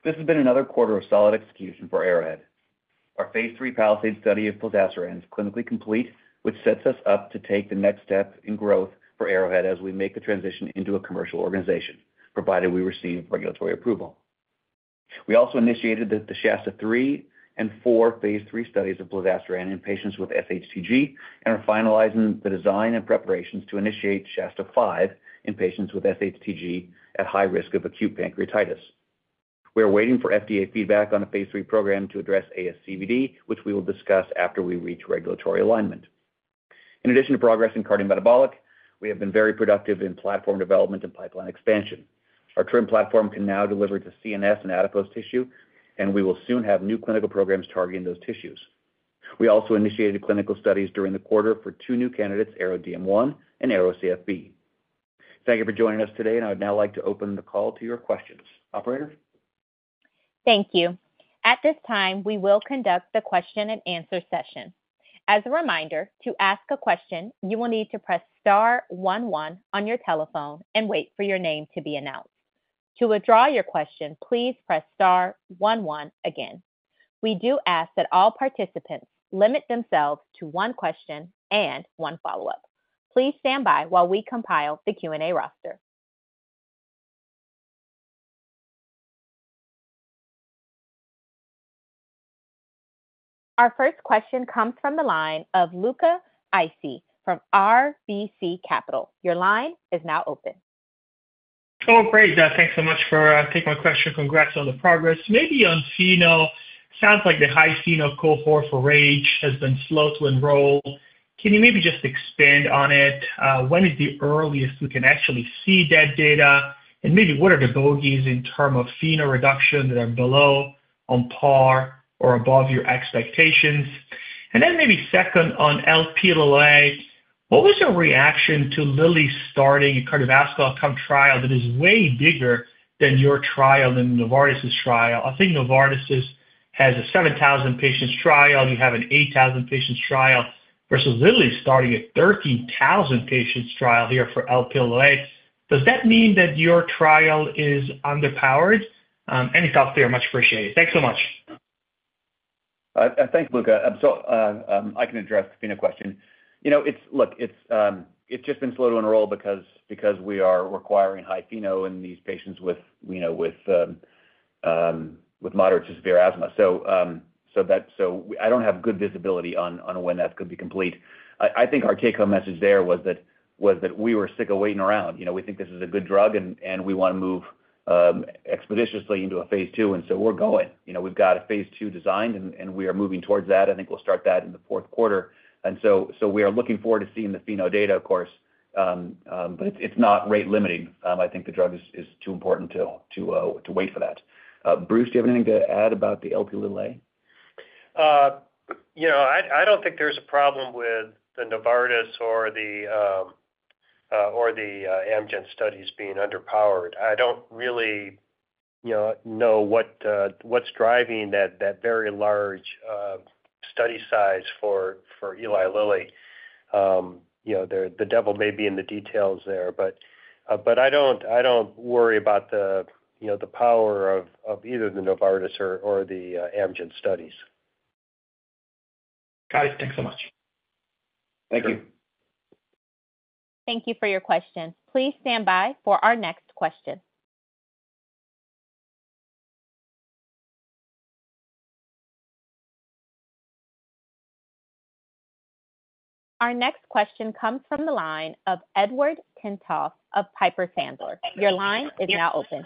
This has been another quarter of solid execution for Arrowhead. Our phase III Palisade study of Plozasiran is clinically complete, which sets us up to take the next step in growth for Arrowhead as we make the transition into a commercial organization, provided we receive regulatory approval. We also initiated the SHASTA III and IV phase III studies of Plozasiran in patients with SHTG and are finalizing the design and preparations to initiate SHASTA V in patients with SHTG at high risk of acute pancreatitis. We are waiting for FDA feedback on a phase III program to address ASCVD, which we will discuss after we reach regulatory alignment. In addition to progress in cardiometabolic, we have been very productive in platform development and pipeline expansion. Our TRiM platform can now deliver to CNS and adipose tissue, and we will soon have new clinical programs targeting those tissues. We also initiated clinical studies during the quarter for two new candidates, ARO-DM1 and ARO-CFB. Thank you for joining us today, and I would now like to open the call to your questions. Operator? Thank you. At this time, we will conduct the question-and-answer session. As a reminder, to ask a question, you will need to press star 11 on your telephone and wait for your name to be announced. To withdraw your question, please press star 11 again. We do ask that all participants limit themselves to one question and one follow-up. Please stand by while we compile the Q&A roster. Our first question comes from the line of Luca Issi from RBC Capital. Your line is now open. Oh, great. Thanks so much for taking my question. Congrats on the progress. Maybe on FeNO, it sounds like the high FeNO cohort for RAGE has been slow to enroll. Can you maybe just expand on it? When is the earliest we can actually see that data? And maybe what are the bogies in terms of FeNO reduction that are below, on par, or above your expectations? And then maybe second, on Lp(a), what was your reaction to Eli Lilly starting a cardiovascular outcome trial that is way bigger than your trial and Novartis's trial? I think Novartis has a 7,000 patients trial. You have an 8,000 patients trial versus Eli Lilly starting a 13,000 patients trial here for Lp(a). Does that mean that your trial is underpowered? Any thoughts there? Much appreciated. Thanks so much. Thanks, Luca. I can address the FeNO question. Look, it's just been slow to enroll because we are requiring high FeNO in these patients with moderate to severe asthma. So I don't have good visibility on when that's going to be complete. I think our take-home message there was that we were sick of waiting around. We think this is a good drug, and we want to move expeditiously into a phase II, and so we're going. We've got a phase II designed, and we are moving towards that. I think we'll start that in the fourth quarter. And so we are looking forward to seeing the FeNO data, of course, but it's not rate limiting. I think the drug is too important to wait for that. Bruce, do you have anything to add about the ARO-LPA? I don't think there's a problem with the Novartis or the Amgen studies being underpowered. I don't really know what's driving that very large study size for Eli Lilly. The devil may be in the details there, but I don't worry about the power of either the Novartis or the Amgen studies. Got it. Thanks so much. Thank you. Thank you for your questions. Please stand by for our next question. Our next question comes from the line of Edward Tenthoff of Piper Sandler. Your line is now open.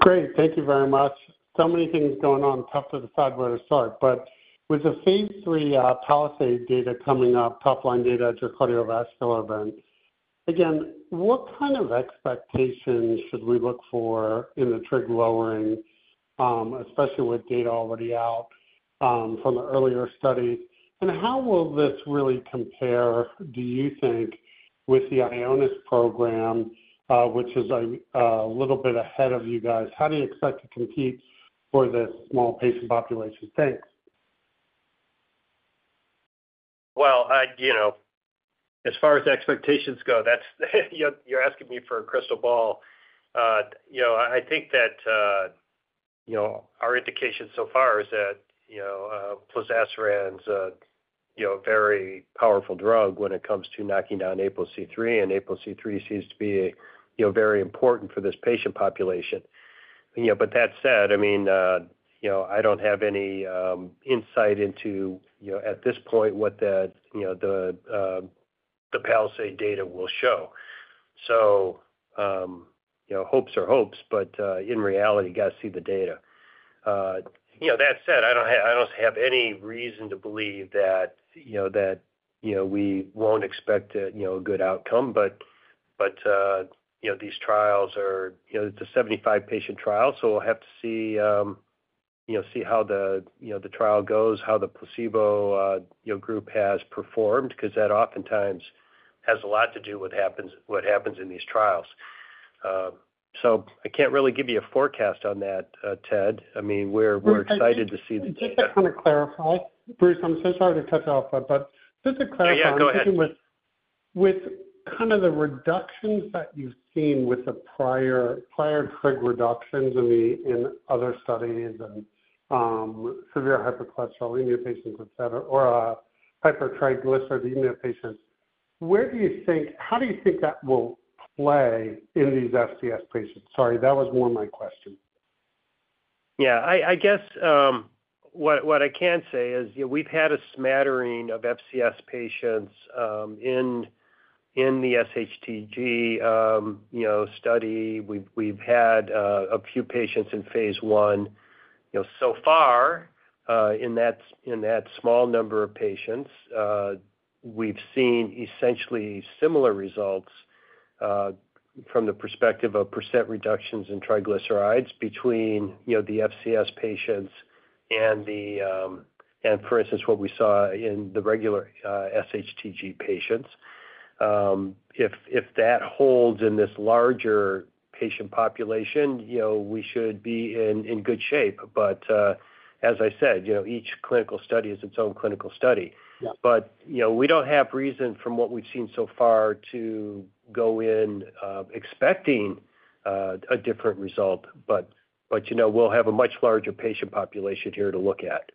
Great. Thank you very much. So many things going on, tough to decide where to start. But with the phase III PALISADE data coming up, top-line data at your cardiovascular event, again, what kind of expectations should we look for in the trig lowering, especially with data already out from the earlier studies? And how will this really compare, do you think, with the Ionis program, which is a little bit ahead of you guys? How do you expect to compete for this small patient population? Thanks. Well, as far as expectations go, you're asking me for a crystal ball. I think that our indication so far is that Plozasiran's a very powerful drug when it comes to knocking down APOC3, and APOC3 seems to be very important for this patient population. But that said, I mean, I don't have any insight into, at this point, what the PALISADE data will show. So hopes are hopes, but in reality, you got to see the data. That said, I don't have any reason to believe that we won't expect a good outcome, but these trials are it's a 75-patient trial, so we'll have to see how the trial goes, how the placebo group has performed, because that oftentimes has a lot to do with what happens in these trials. So I can't really give you a forecast on that, Ted. I mean, we're excited to see the data. Just to kind of clarify, Bruce, I'm so sorry to cut you off, but just to clarify, I'm thinking with kind of the reductions that you've seen with the prior trig reductions in other studies and severe hypercholesterolemia patients, etc., or hypertriglyceridemia patients, where do you think how do you think that will play in these FCS patients? Sorry, that was more my question. Yeah. I guess what I can say is we've had a smattering of FCS patients in the SHTG study. We've had a few patients in phase I. So far, in that small number of patients, we've seen essentially similar results from the perspective of % reductions in triglycerides between the FCS patients and, for instance, what we saw in the regular SHTG patients. If that holds in this larger patient population, we should be in good shape. But as I said, each clinical study is its own clinical study. But we don't have reason, from what we've seen so far, to go in expecting a different result. But we'll have a much larger patient population here to look at.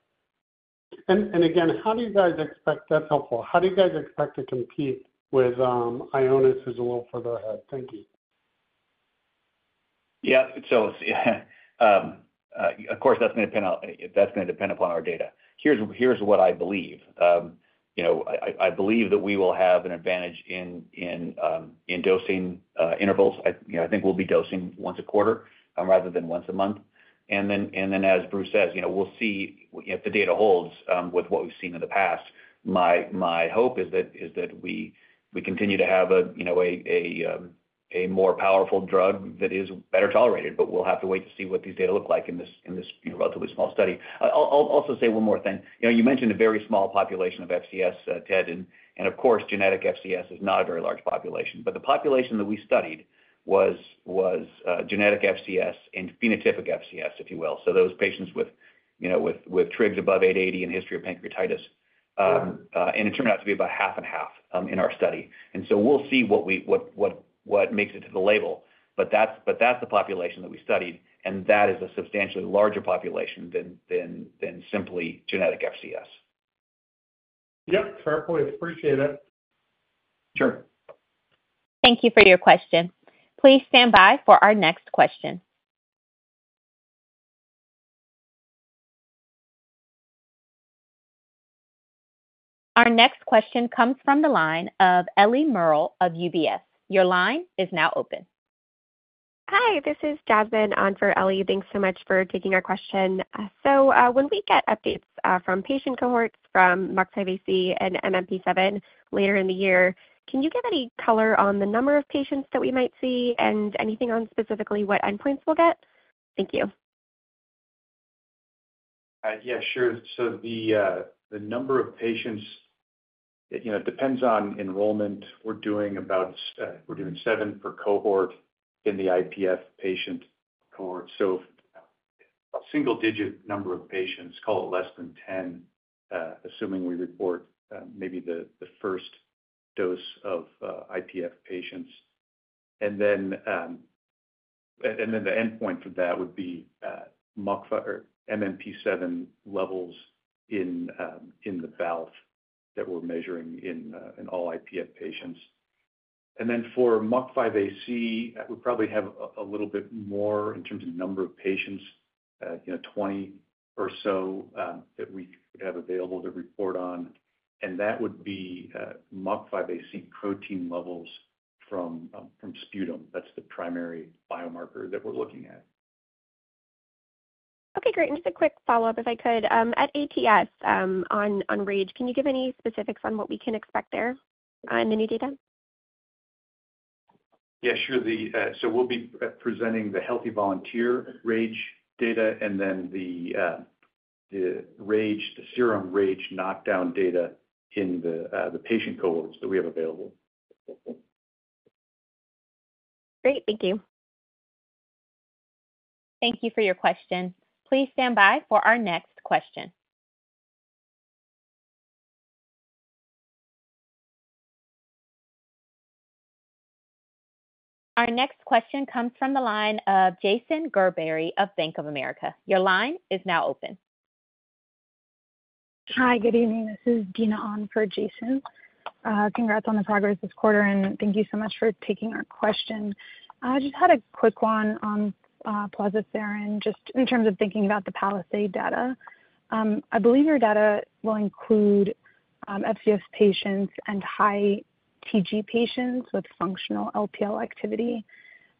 Again, how do you guys expect that's helpful? How do you guys expect to compete with Ionis, who's a little further ahead? Thank you. Yeah. So of course, that's going to depend upon our data. Here's what I believe. I believe that we will have an advantage in dosing intervals. I think we'll be dosing once a quarter rather than once a month. And then, as Bruce says, we'll see if the data holds with what we've seen in the past. My hope is that we continue to have a more powerful drug that is better tolerated, but we'll have to wait to see what these data look like in this relatively small study. I'll also say one more thing. You mentioned a very small population of FCS, Ted, and of course, genetic FCS is not a very large population. But the population that we studied was genetic FCS and phenotypic FCS, if you will. So those patients with trigs above 880 and history of pancreatitis, and it turned out to be about half and half in our study. And so we'll see what makes it to the label, but that's the population that we studied, and that is a substantially larger population than simply genetic FCS. Yep. Fair point. Appreciate it. Sure. Thank you for your question. Please stand by for our next question. Our next question comes from the line of Ellie Murrell of UBS. Your line is now open. Hi. This is Jasmine on for Ellie, thanks so much for taking our question. So when we get updates from patient cohorts from MUC5AC and MMP7 later in the year, can you give any color on the number of patients that we might see and anything on specifically what endpoints we'll get? Thank you. Yeah. Sure. So the number of patients depends on enrollment. We're doing seven per cohort in the IPF patient cohort. So a single-digit number of patients, call it less than 10, assuming we report maybe the first dose of IPF patients. And then the endpoint for that would be MMP7 levels in the BALF that we're measuring in all IPF patients. And then for MUC5AC, we probably have a little bit more in terms of number of patients, 20 or so that we have available to report on. And that would be MUC5AC protein levels from sputum. That's the primary biomarker that we're looking at. Okay. Great. And just a quick follow-up, if I could. At ATS on RAGE, can you give any specifics on what we can expect there in the new data? Yeah. Sure. So we'll be presenting the Healthy Volunteer RAGE data and then the serum RAGE knockdown data in the patient cohorts that we have available. Great. Thank you. Thank you for your question. Please stand by for our next question. Our next question comes from the line of Jason Gerberry of Bank of America. Your line is now open. Hi. Good evening. This is Dina and Jason. Congrats on the progress this quarter, and thank you so much for taking our question. I just had a quick one on Plozasiran, just in terms of thinking about the Palisade data. I believe your data will include FCS patients and high TG patients with functional LPL activity.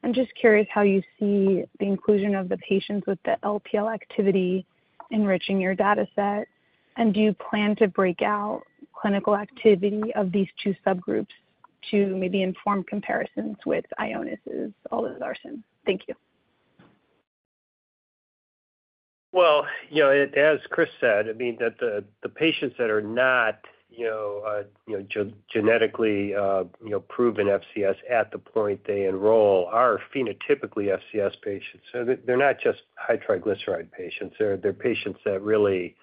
I'm just curious how you see the inclusion of the patients with the LPL activity enriching your dataset, and do you plan to break out clinical activity of these two subgroups to maybe inform comparisons with Ionis' Olezarsen? Thank you. Well, as Chris said, I mean, the patients that are not genetically proven FCS at the point they enroll are phenotypically FCS patients. So they're not just high triglyceride patients. They're patients that really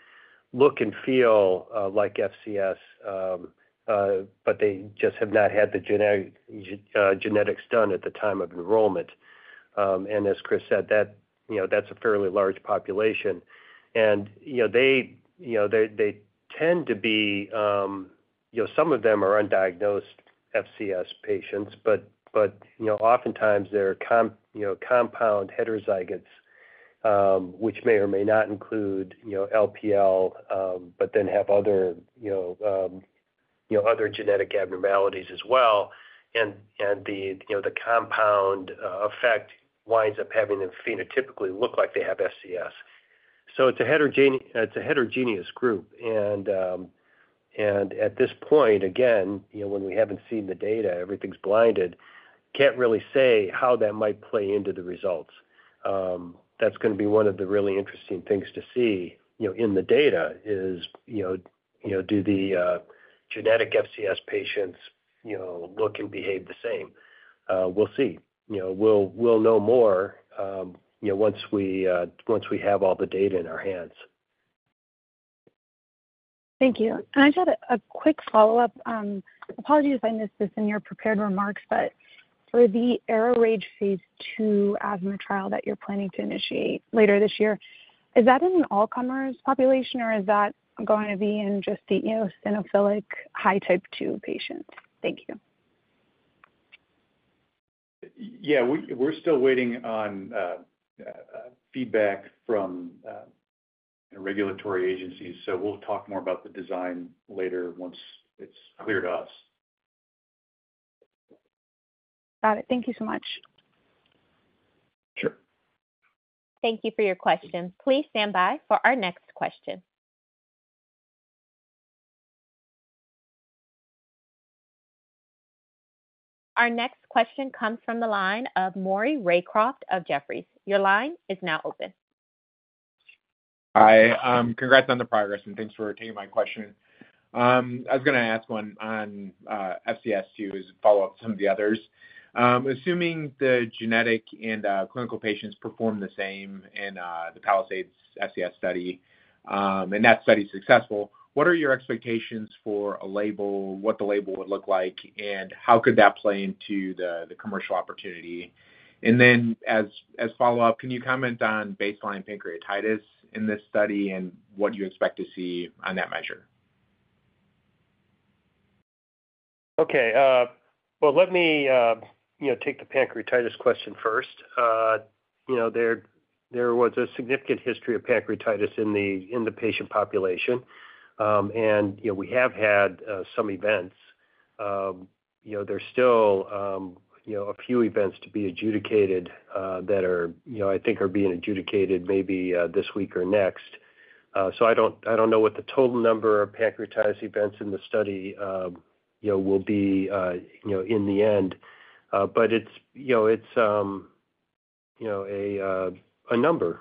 look and feel like FCS, but they just have not had the genetics done at the time of enrollment. And as Chris said, that's a fairly large population. And they tend to be some of them are undiagnosed FCS patients, but oftentimes they're compound heterozygotes, which may or may not include LPL, but then have other genetic abnormalities as well. And the compound effect winds up having them phenotypically look like they have FCS. So it's a heterogeneous group. And at this point, again, when we haven't seen the data, everything's blinded, can't really say how that might play into the results. That's going to be one of the really interesting things to see in the data, is do the genetic FCS patients look and behave the same? We'll see. We'll know more once we have all the data in our hands. Thank you. I just had a quick follow-up. Apologies if I missed this in your prepared remarks, but for the ARO-RAGE phase II asthma trial that you're planning to initiate later this year, is that in an all-comers population, or is that going to be in just the eosinophilic high Type 2 patients? Thank you. Yeah. We're still waiting on feedback from regulatory agencies, so we'll talk more about the design later once it's clear to us. Got it. Thank you so much. Sure. Thank you for your questions. Please stand by for our next question. Our next question comes from the line of Maury Raycroft of Jefferies. Your line is now open. Hi. Congrats on the progress, and thanks for taking my question. I was going to ask one on FCS too, as a follow-up to some of the others. Assuming the genetic and clinical patients perform the same in the PALISADE FCS study, and that study's successful, what are your expectations for what the label would look like, and how could that play into the commercial opportunity? And then as follow-up, can you comment on baseline pancreatitis in this study and what you expect to see on that measure? Okay. Well, let me take the pancreatitis question first. There was a significant history of pancreatitis in the patient population, and we have had some events. There's still a few events to be adjudicated that I think are being adjudicated maybe this week or next. So I don't know what the total number of pancreatitis events in the study will be in the end, but it's a number.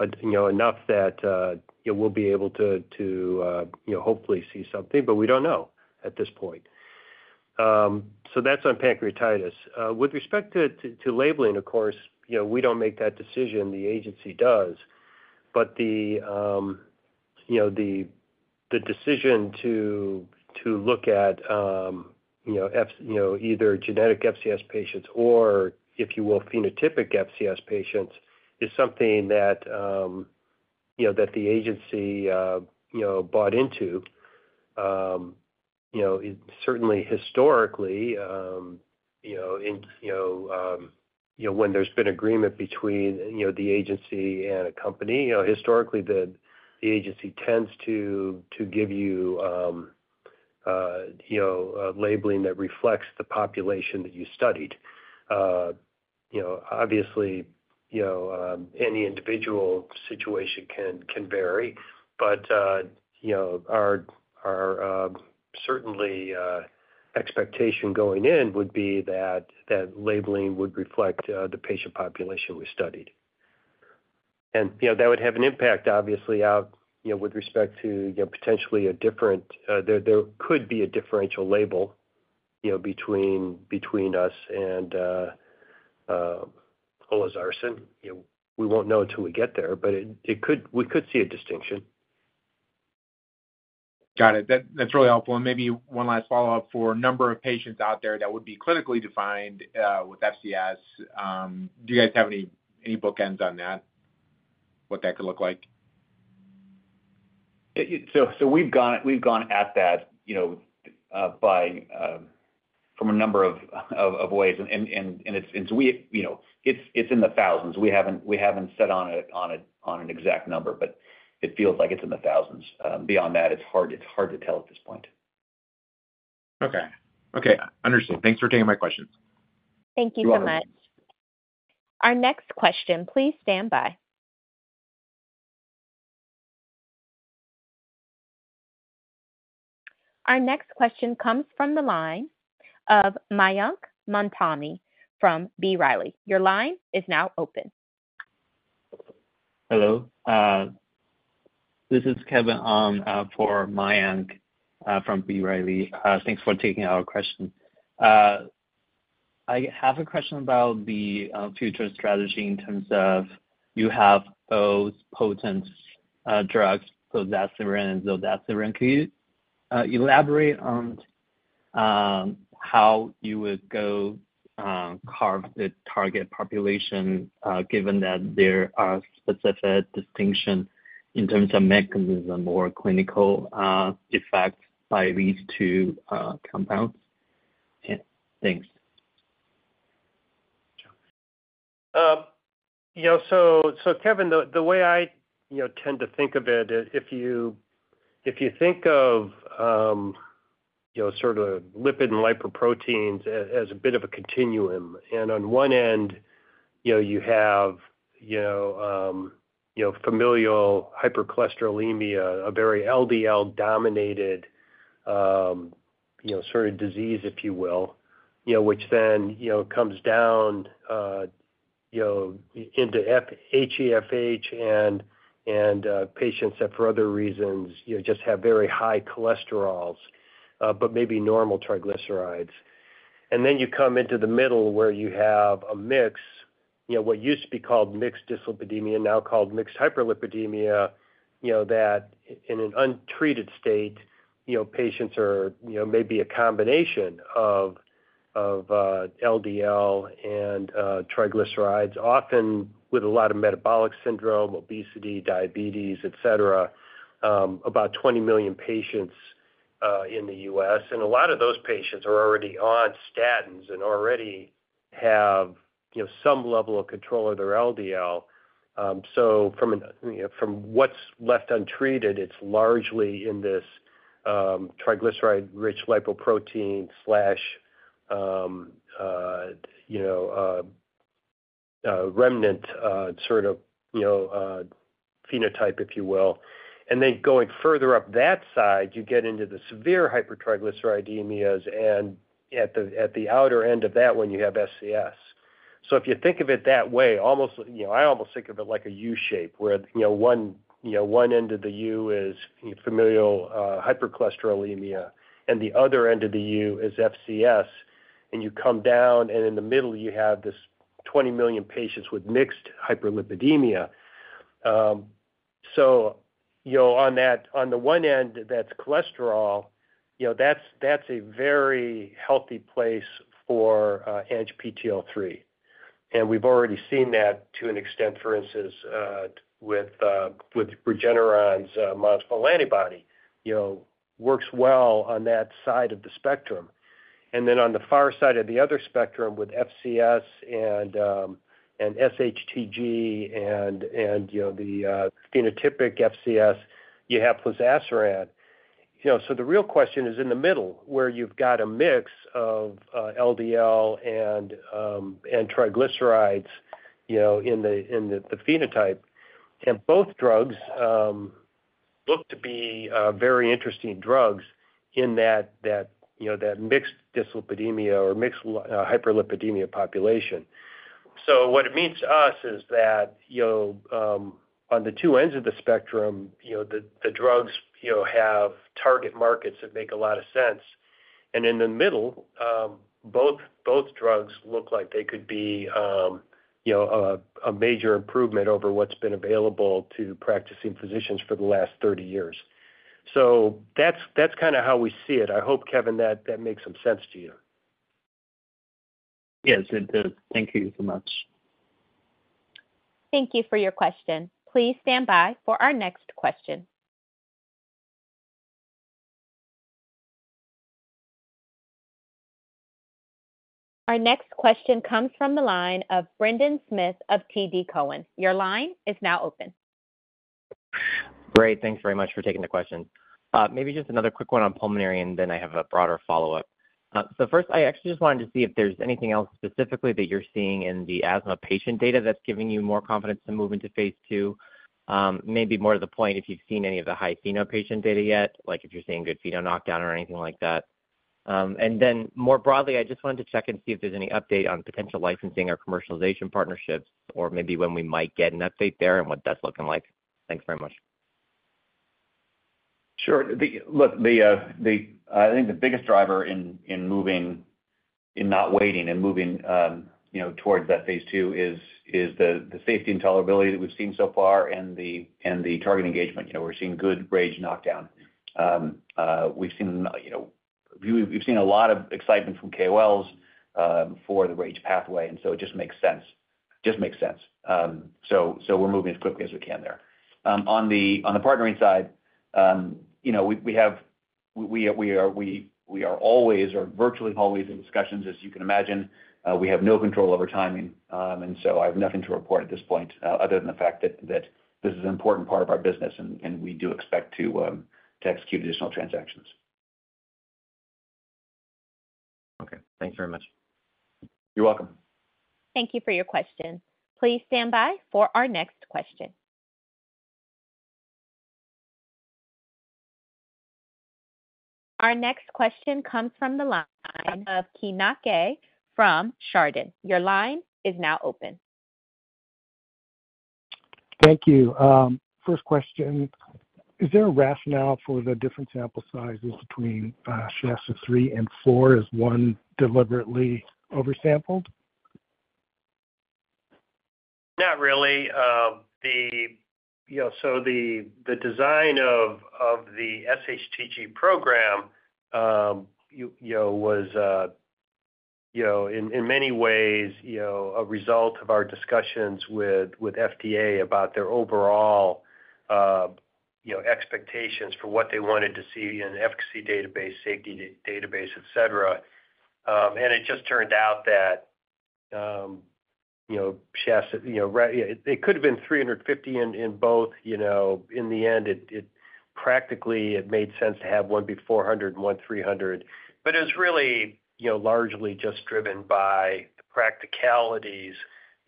It's enough that we'll be able to hopefully see something, but we don't know at this point. So that's on pancreatitis. With respect to labeling, of course, we don't make that decision. The agency does. But the decision to look at either genetic FCS patients or, if you will, phenotypic FCS patients is something that the agency bought into. Certainly, historically, when there's been agreement between the agency and a company, historically, the agency tends to give you labeling that reflects the population that you studied. Obviously, any individual situation can vary, but certainly, expectation going in would be that labeling would reflect the patient population we studied. That would have an impact, obviously, with respect to potentially a different, there could be a differential label between us and Olezarsen. We won't know until we get there, but we could see a distinction. Got it. That's really helpful. And maybe one last follow-up for a number of patients out there that would be clinically defined with FCS, do you guys have any bookends on that, what that could look like? So we've gone at that from a number of ways, and it's in the thousands. We haven't set on an exact number, but it feels like it's in the thousands. Beyond that, it's hard to tell at this point. Okay. Okay. Understood. Thanks for taking my questions. Thank you so much. Our next question. Please stand by. Our next question comes from the line of Mayank Mamtani from B. Riley. Your line is now open. Hello. This is Kevin An for Mayank from B. Riley. Thanks for taking our question. I have a question about the future strategy in terms of you have both potent drugs, Plozasiran and Zodasiran. Could you elaborate on how you would go carve the target population given that there are specific distinctions in terms of mechanism or clinical effects by these two compounds? Thanks. So, Kevin, the way I tend to think of it is if you think of sort of lipid and lipoproteins as a bit of a continuum, and on one end, you have familial hypercholesterolemia, a very LDL-dominated sort of disease, if you will, which then comes down into HeFH, and patients that, for other reasons, just have very high cholesterols but maybe normal triglycerides. And then you come into the middle where you have a mix, what used to be called mixed dyslipidemia, now called mixed hyperlipidemia, that in an untreated state, patients are maybe a combination of LDL and triglycerides, often with a lot of metabolic syndrome, obesity, diabetes, etc., about 20 million patients in the U.S. And a lot of those patients are already on statins and already have some level of control of their LDL. So from what's left untreated, it's largely in this triglyceride-rich lipoprotein/remnant sort of phenotype, if you will. And then going further up that side, you get into the severe hypertriglyceridemias, and at the outer end of that one, you have FCS. So if you think of it that way, I almost think of it like a U-shape where one end of the U is familial hypercholesterolemia, and the other end of the U is FCS. And you come down, and in the middle, you have this 20 million patients with mixed hyperlipidemia. So on the one end, that's cholesterol. That's a very healthy place for ANGPTL3. And we've already seen that to an extent, for instance, with Regeneron's modified antibody works well on that side of the spectrum. And then on the far side of the other spectrum, with FCS and SHTG and the phenotypic FCS, you have Plozasiran. The real question is in the middle where you've got a mix of LDL and triglycerides in the phenotype. Both drugs look to be very interesting drugs in that mixed dyslipidemia or mixed hyperlipidemia population. What it means to us is that on the two ends of the spectrum, the drugs have target markets that make a lot of sense. In the middle, both drugs look like they could be a major improvement over what's been available to practicing physicians for the last 30 years. That's kind of how we see it. I hope, Kevin, that makes some sense to you. Yes, it does. Thank you so much. Thank you for your question. Please stand by for our next question. Our next question comes from the line of Brendan Smith of TD Cowen. Your line is now open. Great. Thanks very much for taking the question. Maybe just another quick one on pulmonary, and then I have a broader follow-up. So first, I actually just wanted to see if there's anything else specifically that you're seeing in the asthma patient data that's giving you more confidence to move into phase II, maybe more to the point if you've seen any of the high pheno patient data yet, like if you're seeing good pheno knockdown or anything like that. And then more broadly, I just wanted to check and see if there's any update on potential licensing or commercialization partnerships or maybe when we might get an update there and what that's looking like. Thanks very much. Sure. Look, I think the biggest driver in not waiting and moving towards that phase II is the safety intolerability that we've seen so far and the target engagement. We're seeing good RAGE knockdown. We've seen a lot of excitement from KOLs for the RAGE pathway, and so it just makes sense. It just makes sense. So we're moving as quickly as we can there. On the partnering side, we are always or virtually always in discussions, as you can imagine. We have no control over timing, and so I have nothing to report at this point other than the fact that this is an important part of our business, and we do expect to execute additional transactions. Okay. Thanks very much. You're welcome. Thank you for your question. Please stand by for our next question. Our next question comes from the line of Keay Nakae from Chardan. Your line is now open. Thank you. First question, is there a rationale for the different sample sizes between SHASTA-3 and 4? Is one deliberately oversampled? Not really. So the design of the SHTG program was, in many ways, a result of our discussions with FDA about their overall expectations for what they wanted to see in efficacy database, safety database, etc. And it just turned out that it could have been 350 in both. In the end, practically, it made sense to have one be 400 and one 300, but it was really largely just driven by the practicalities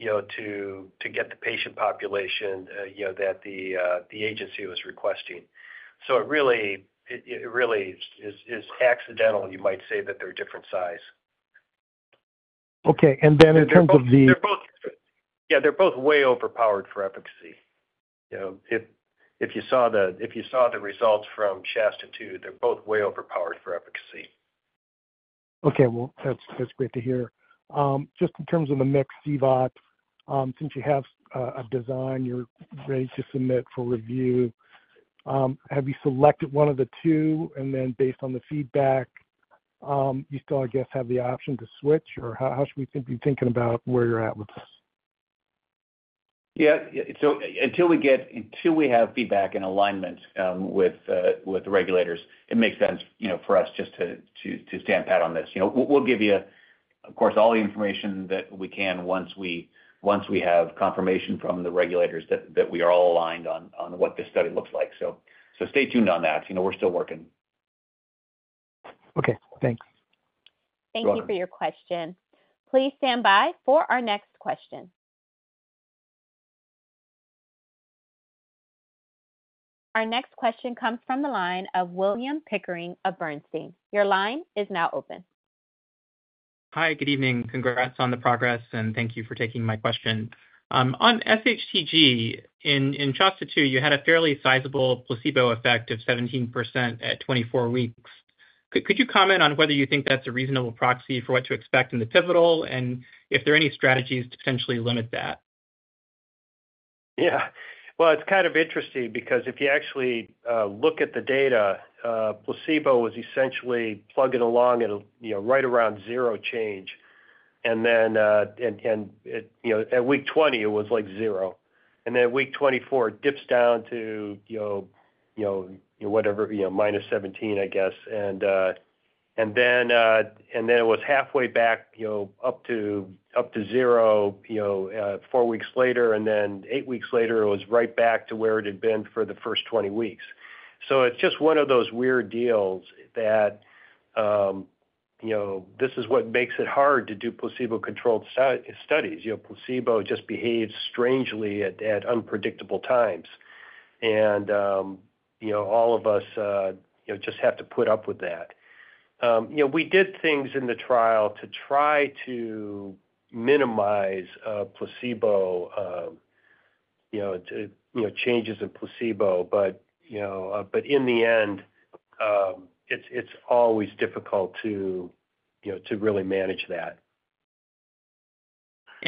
to get the patient population that the agency was requesting. So it really is accidental, you might say, that they're different size. Okay. And then in terms of the. Yeah, they're both way overpowered for efficacy. If you saw the results from SHASTA-2, they're both way overpowered for efficacy. Okay. Well, that's great to hear. Just in terms of the mixed CVOT, since you have a design you're ready to submit for review, have you selected one of the two? And then based on the feedback, you still, I guess, have the option to switch, or how should we think you're thinking about where you're at with this? Yeah. So until we have feedback and alignment with the regulators, it makes sense for us just to stand pat on this. We'll give you, of course, all the information that we can once we have confirmation from the regulators that we are all aligned on what this study looks like. So stay tuned on that. We're still working. Okay. Thanks. Thank you for your question. Please stand by for our next question. Our next question comes from the line of William Pickering of Bernstein. Your line is now open. Hi. Good evening. Congrats on the progress, and thank you for taking my question. On SHTG, in SHASTA-2, you had a fairly sizable placebo effect of 17% at 24 weeks. Could you comment on whether you think that's a reasonable proxy for what to expect in the pivotal and if there are any strategies to potentially limit that? Yeah. Well, it's kind of interesting because if you actually look at the data, placebo was essentially plugging along at right around zero change. And then at week 20, it was like zero. And then at week 24, it dips down to whatever, -17, I guess. And then it was halfway back up to zero four weeks later. And then eight weeks later, it was right back to where it had been for the first 20 weeks. So it's just one of those weird deals that this is what makes it hard to do placebo-controlled studies. Placebo just behaves strangely at unpredictable times, and all of us just have to put up with that. We did things in the trial to try to minimize placebo changes in placebo, but in the end, it's always difficult to really manage that.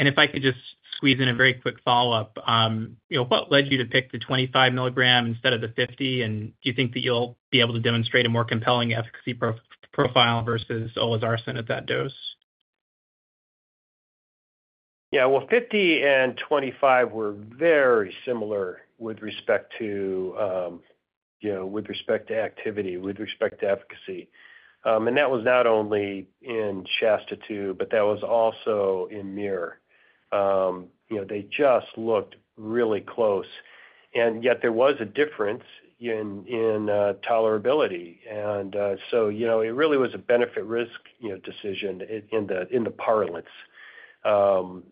If I could just squeeze in a very quick follow-up, what led you to pick the 25 milligram instead of the 50? And do you think that you'll be able to demonstrate a more compelling efficacy profile versus Olezarsen at that dose? Yeah. Well, 50 and 25 were very similar with respect to activity, with respect to efficacy. And that was not only in SHASTA-2, but that was also in MUIR. They just looked really close, and yet there was a difference in tolerability. And so it really was a benefit-risk decision in the parlance of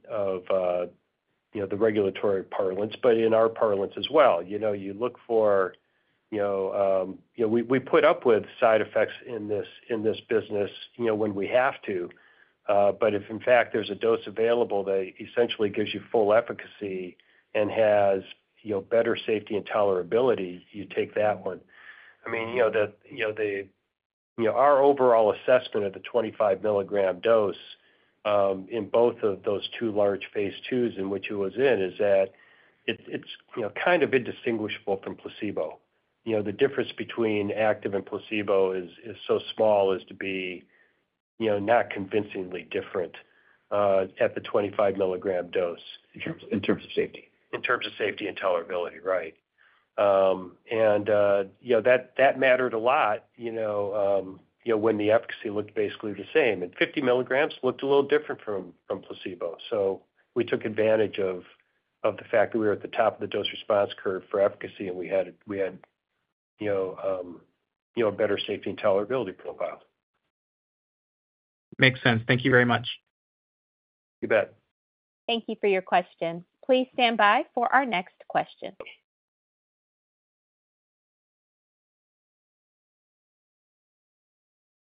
the regulatory parlance, but in our parlance as well. You look for we put up with side effects in this business when we have to. But if, in fact, there's a dose available that essentially gives you full efficacy and has better safety and tolerability, you take that one. I mean, our overall assessment of the 25mg dose in both of those two large phase IIs in which it was in is that it's kind of indistinguishable from placebo. The difference between active and placebo is so small as to be not convincingly different at the 25mg dose. In terms of safety? In terms of safety and tolerability, right. That mattered a lot when the efficacy looked basically the same. 50 milligrams looked a little different from placebo. We took advantage of the fact that we were at the top of the dose response curve for efficacy, and we had a better safety and tolerability profile. Makes sense. Thank you very much. You bet. Thank you for your question. Please stand by for our next question.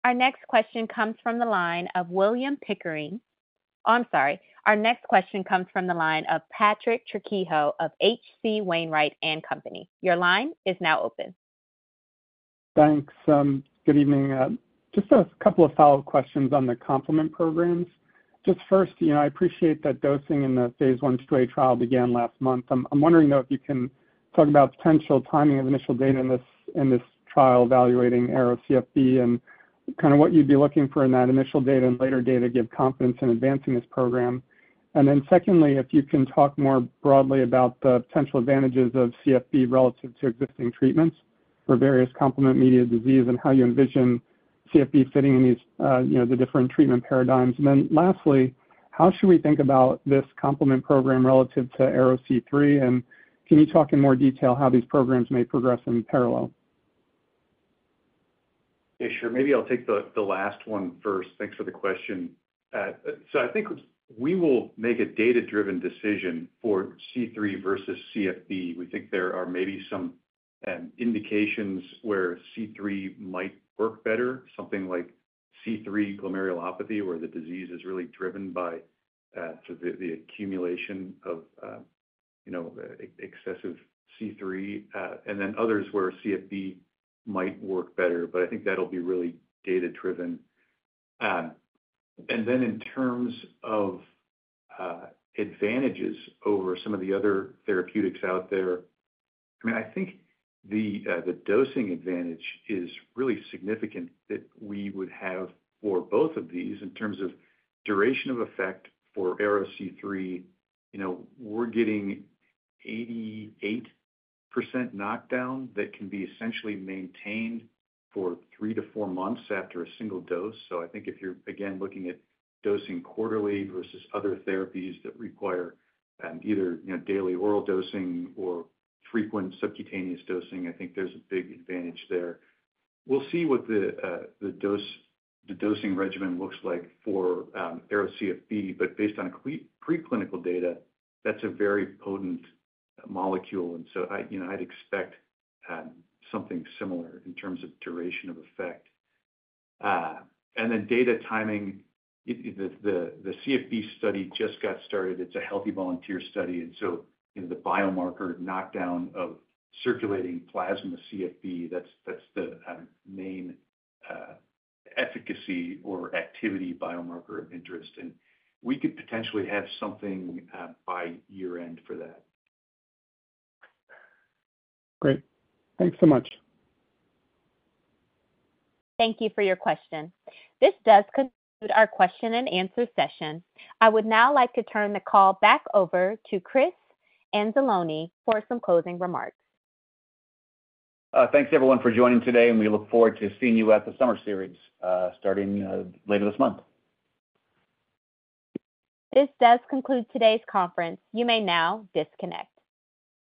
Our next question comes from the line of William Pickering. Oh, I'm sorry. Our next question comes from the line of Patrick Trucchio of H.C. Wainwright and Company. Your line is now open. Thanks. Good evening. Just a couple of follow-up questions on the complement programs. Just first, I appreciate that dosing in the phase I/II a trial began last month. I'm wondering, though, if you can talk about potential timing of initial data in this trial evaluating ARO-CFB and kind of what you'd be looking for in that initial data and later data to give confidence in advancing this program. And then secondly, if you can talk more broadly about the potential advantages of CFB relative to existing treatments for various complement-mediated disease and how you envision CFB fitting in the different treatment paradigms. And then lastly, how should we think about this complement program relative to ARO-C3? And can you talk in more detail how these programs may progress in parallel? Yeah, sure. Maybe I'll take the last one first. Thanks for the question. So I think we will make a data-driven decision for C3 versus CFB. We think there are maybe some indications where C3 might work better, something like C3 glomerulopathy where the disease is really driven by the accumulation of excessive C3, and then others where CFB might work better. But I think that'll be really data-driven. And then in terms of advantages over some of the other therapeutics out there, I mean, I think the dosing advantage is really significant that we would have for both of these in terms of duration of effect for ARO-C3. We're getting 88% knockdown that can be essentially maintained for 3-4 months after a single dose. So I think if you're, again, looking at dosing quarterly versus other therapies that require either daily oral dosing or frequent subcutaneous dosing, I think there's a big advantage there. We'll see what the dosing regimen looks like for ARO-CFB, but based on preclinical data, that's a very potent molecule. And so I'd expect something similar in terms of duration of effect. And then data timing, the CFB study just got started. It's a healthy volunteer study. And so the biomarker knockdown of circulating plasma CFB, that's the main efficacy or activity biomarker of interest. And we could potentially have something by year-end for that. Great. Thanks so much. Thank you for your question. This does conclude our question-and-answer session. I would now like to turn the call back over to Chris Anzalone for some closing remarks. Thanks, everyone, for joining today, and we look forward to seeing you at the summer series starting later this month. This does conclude today's conference. You may now disconnect.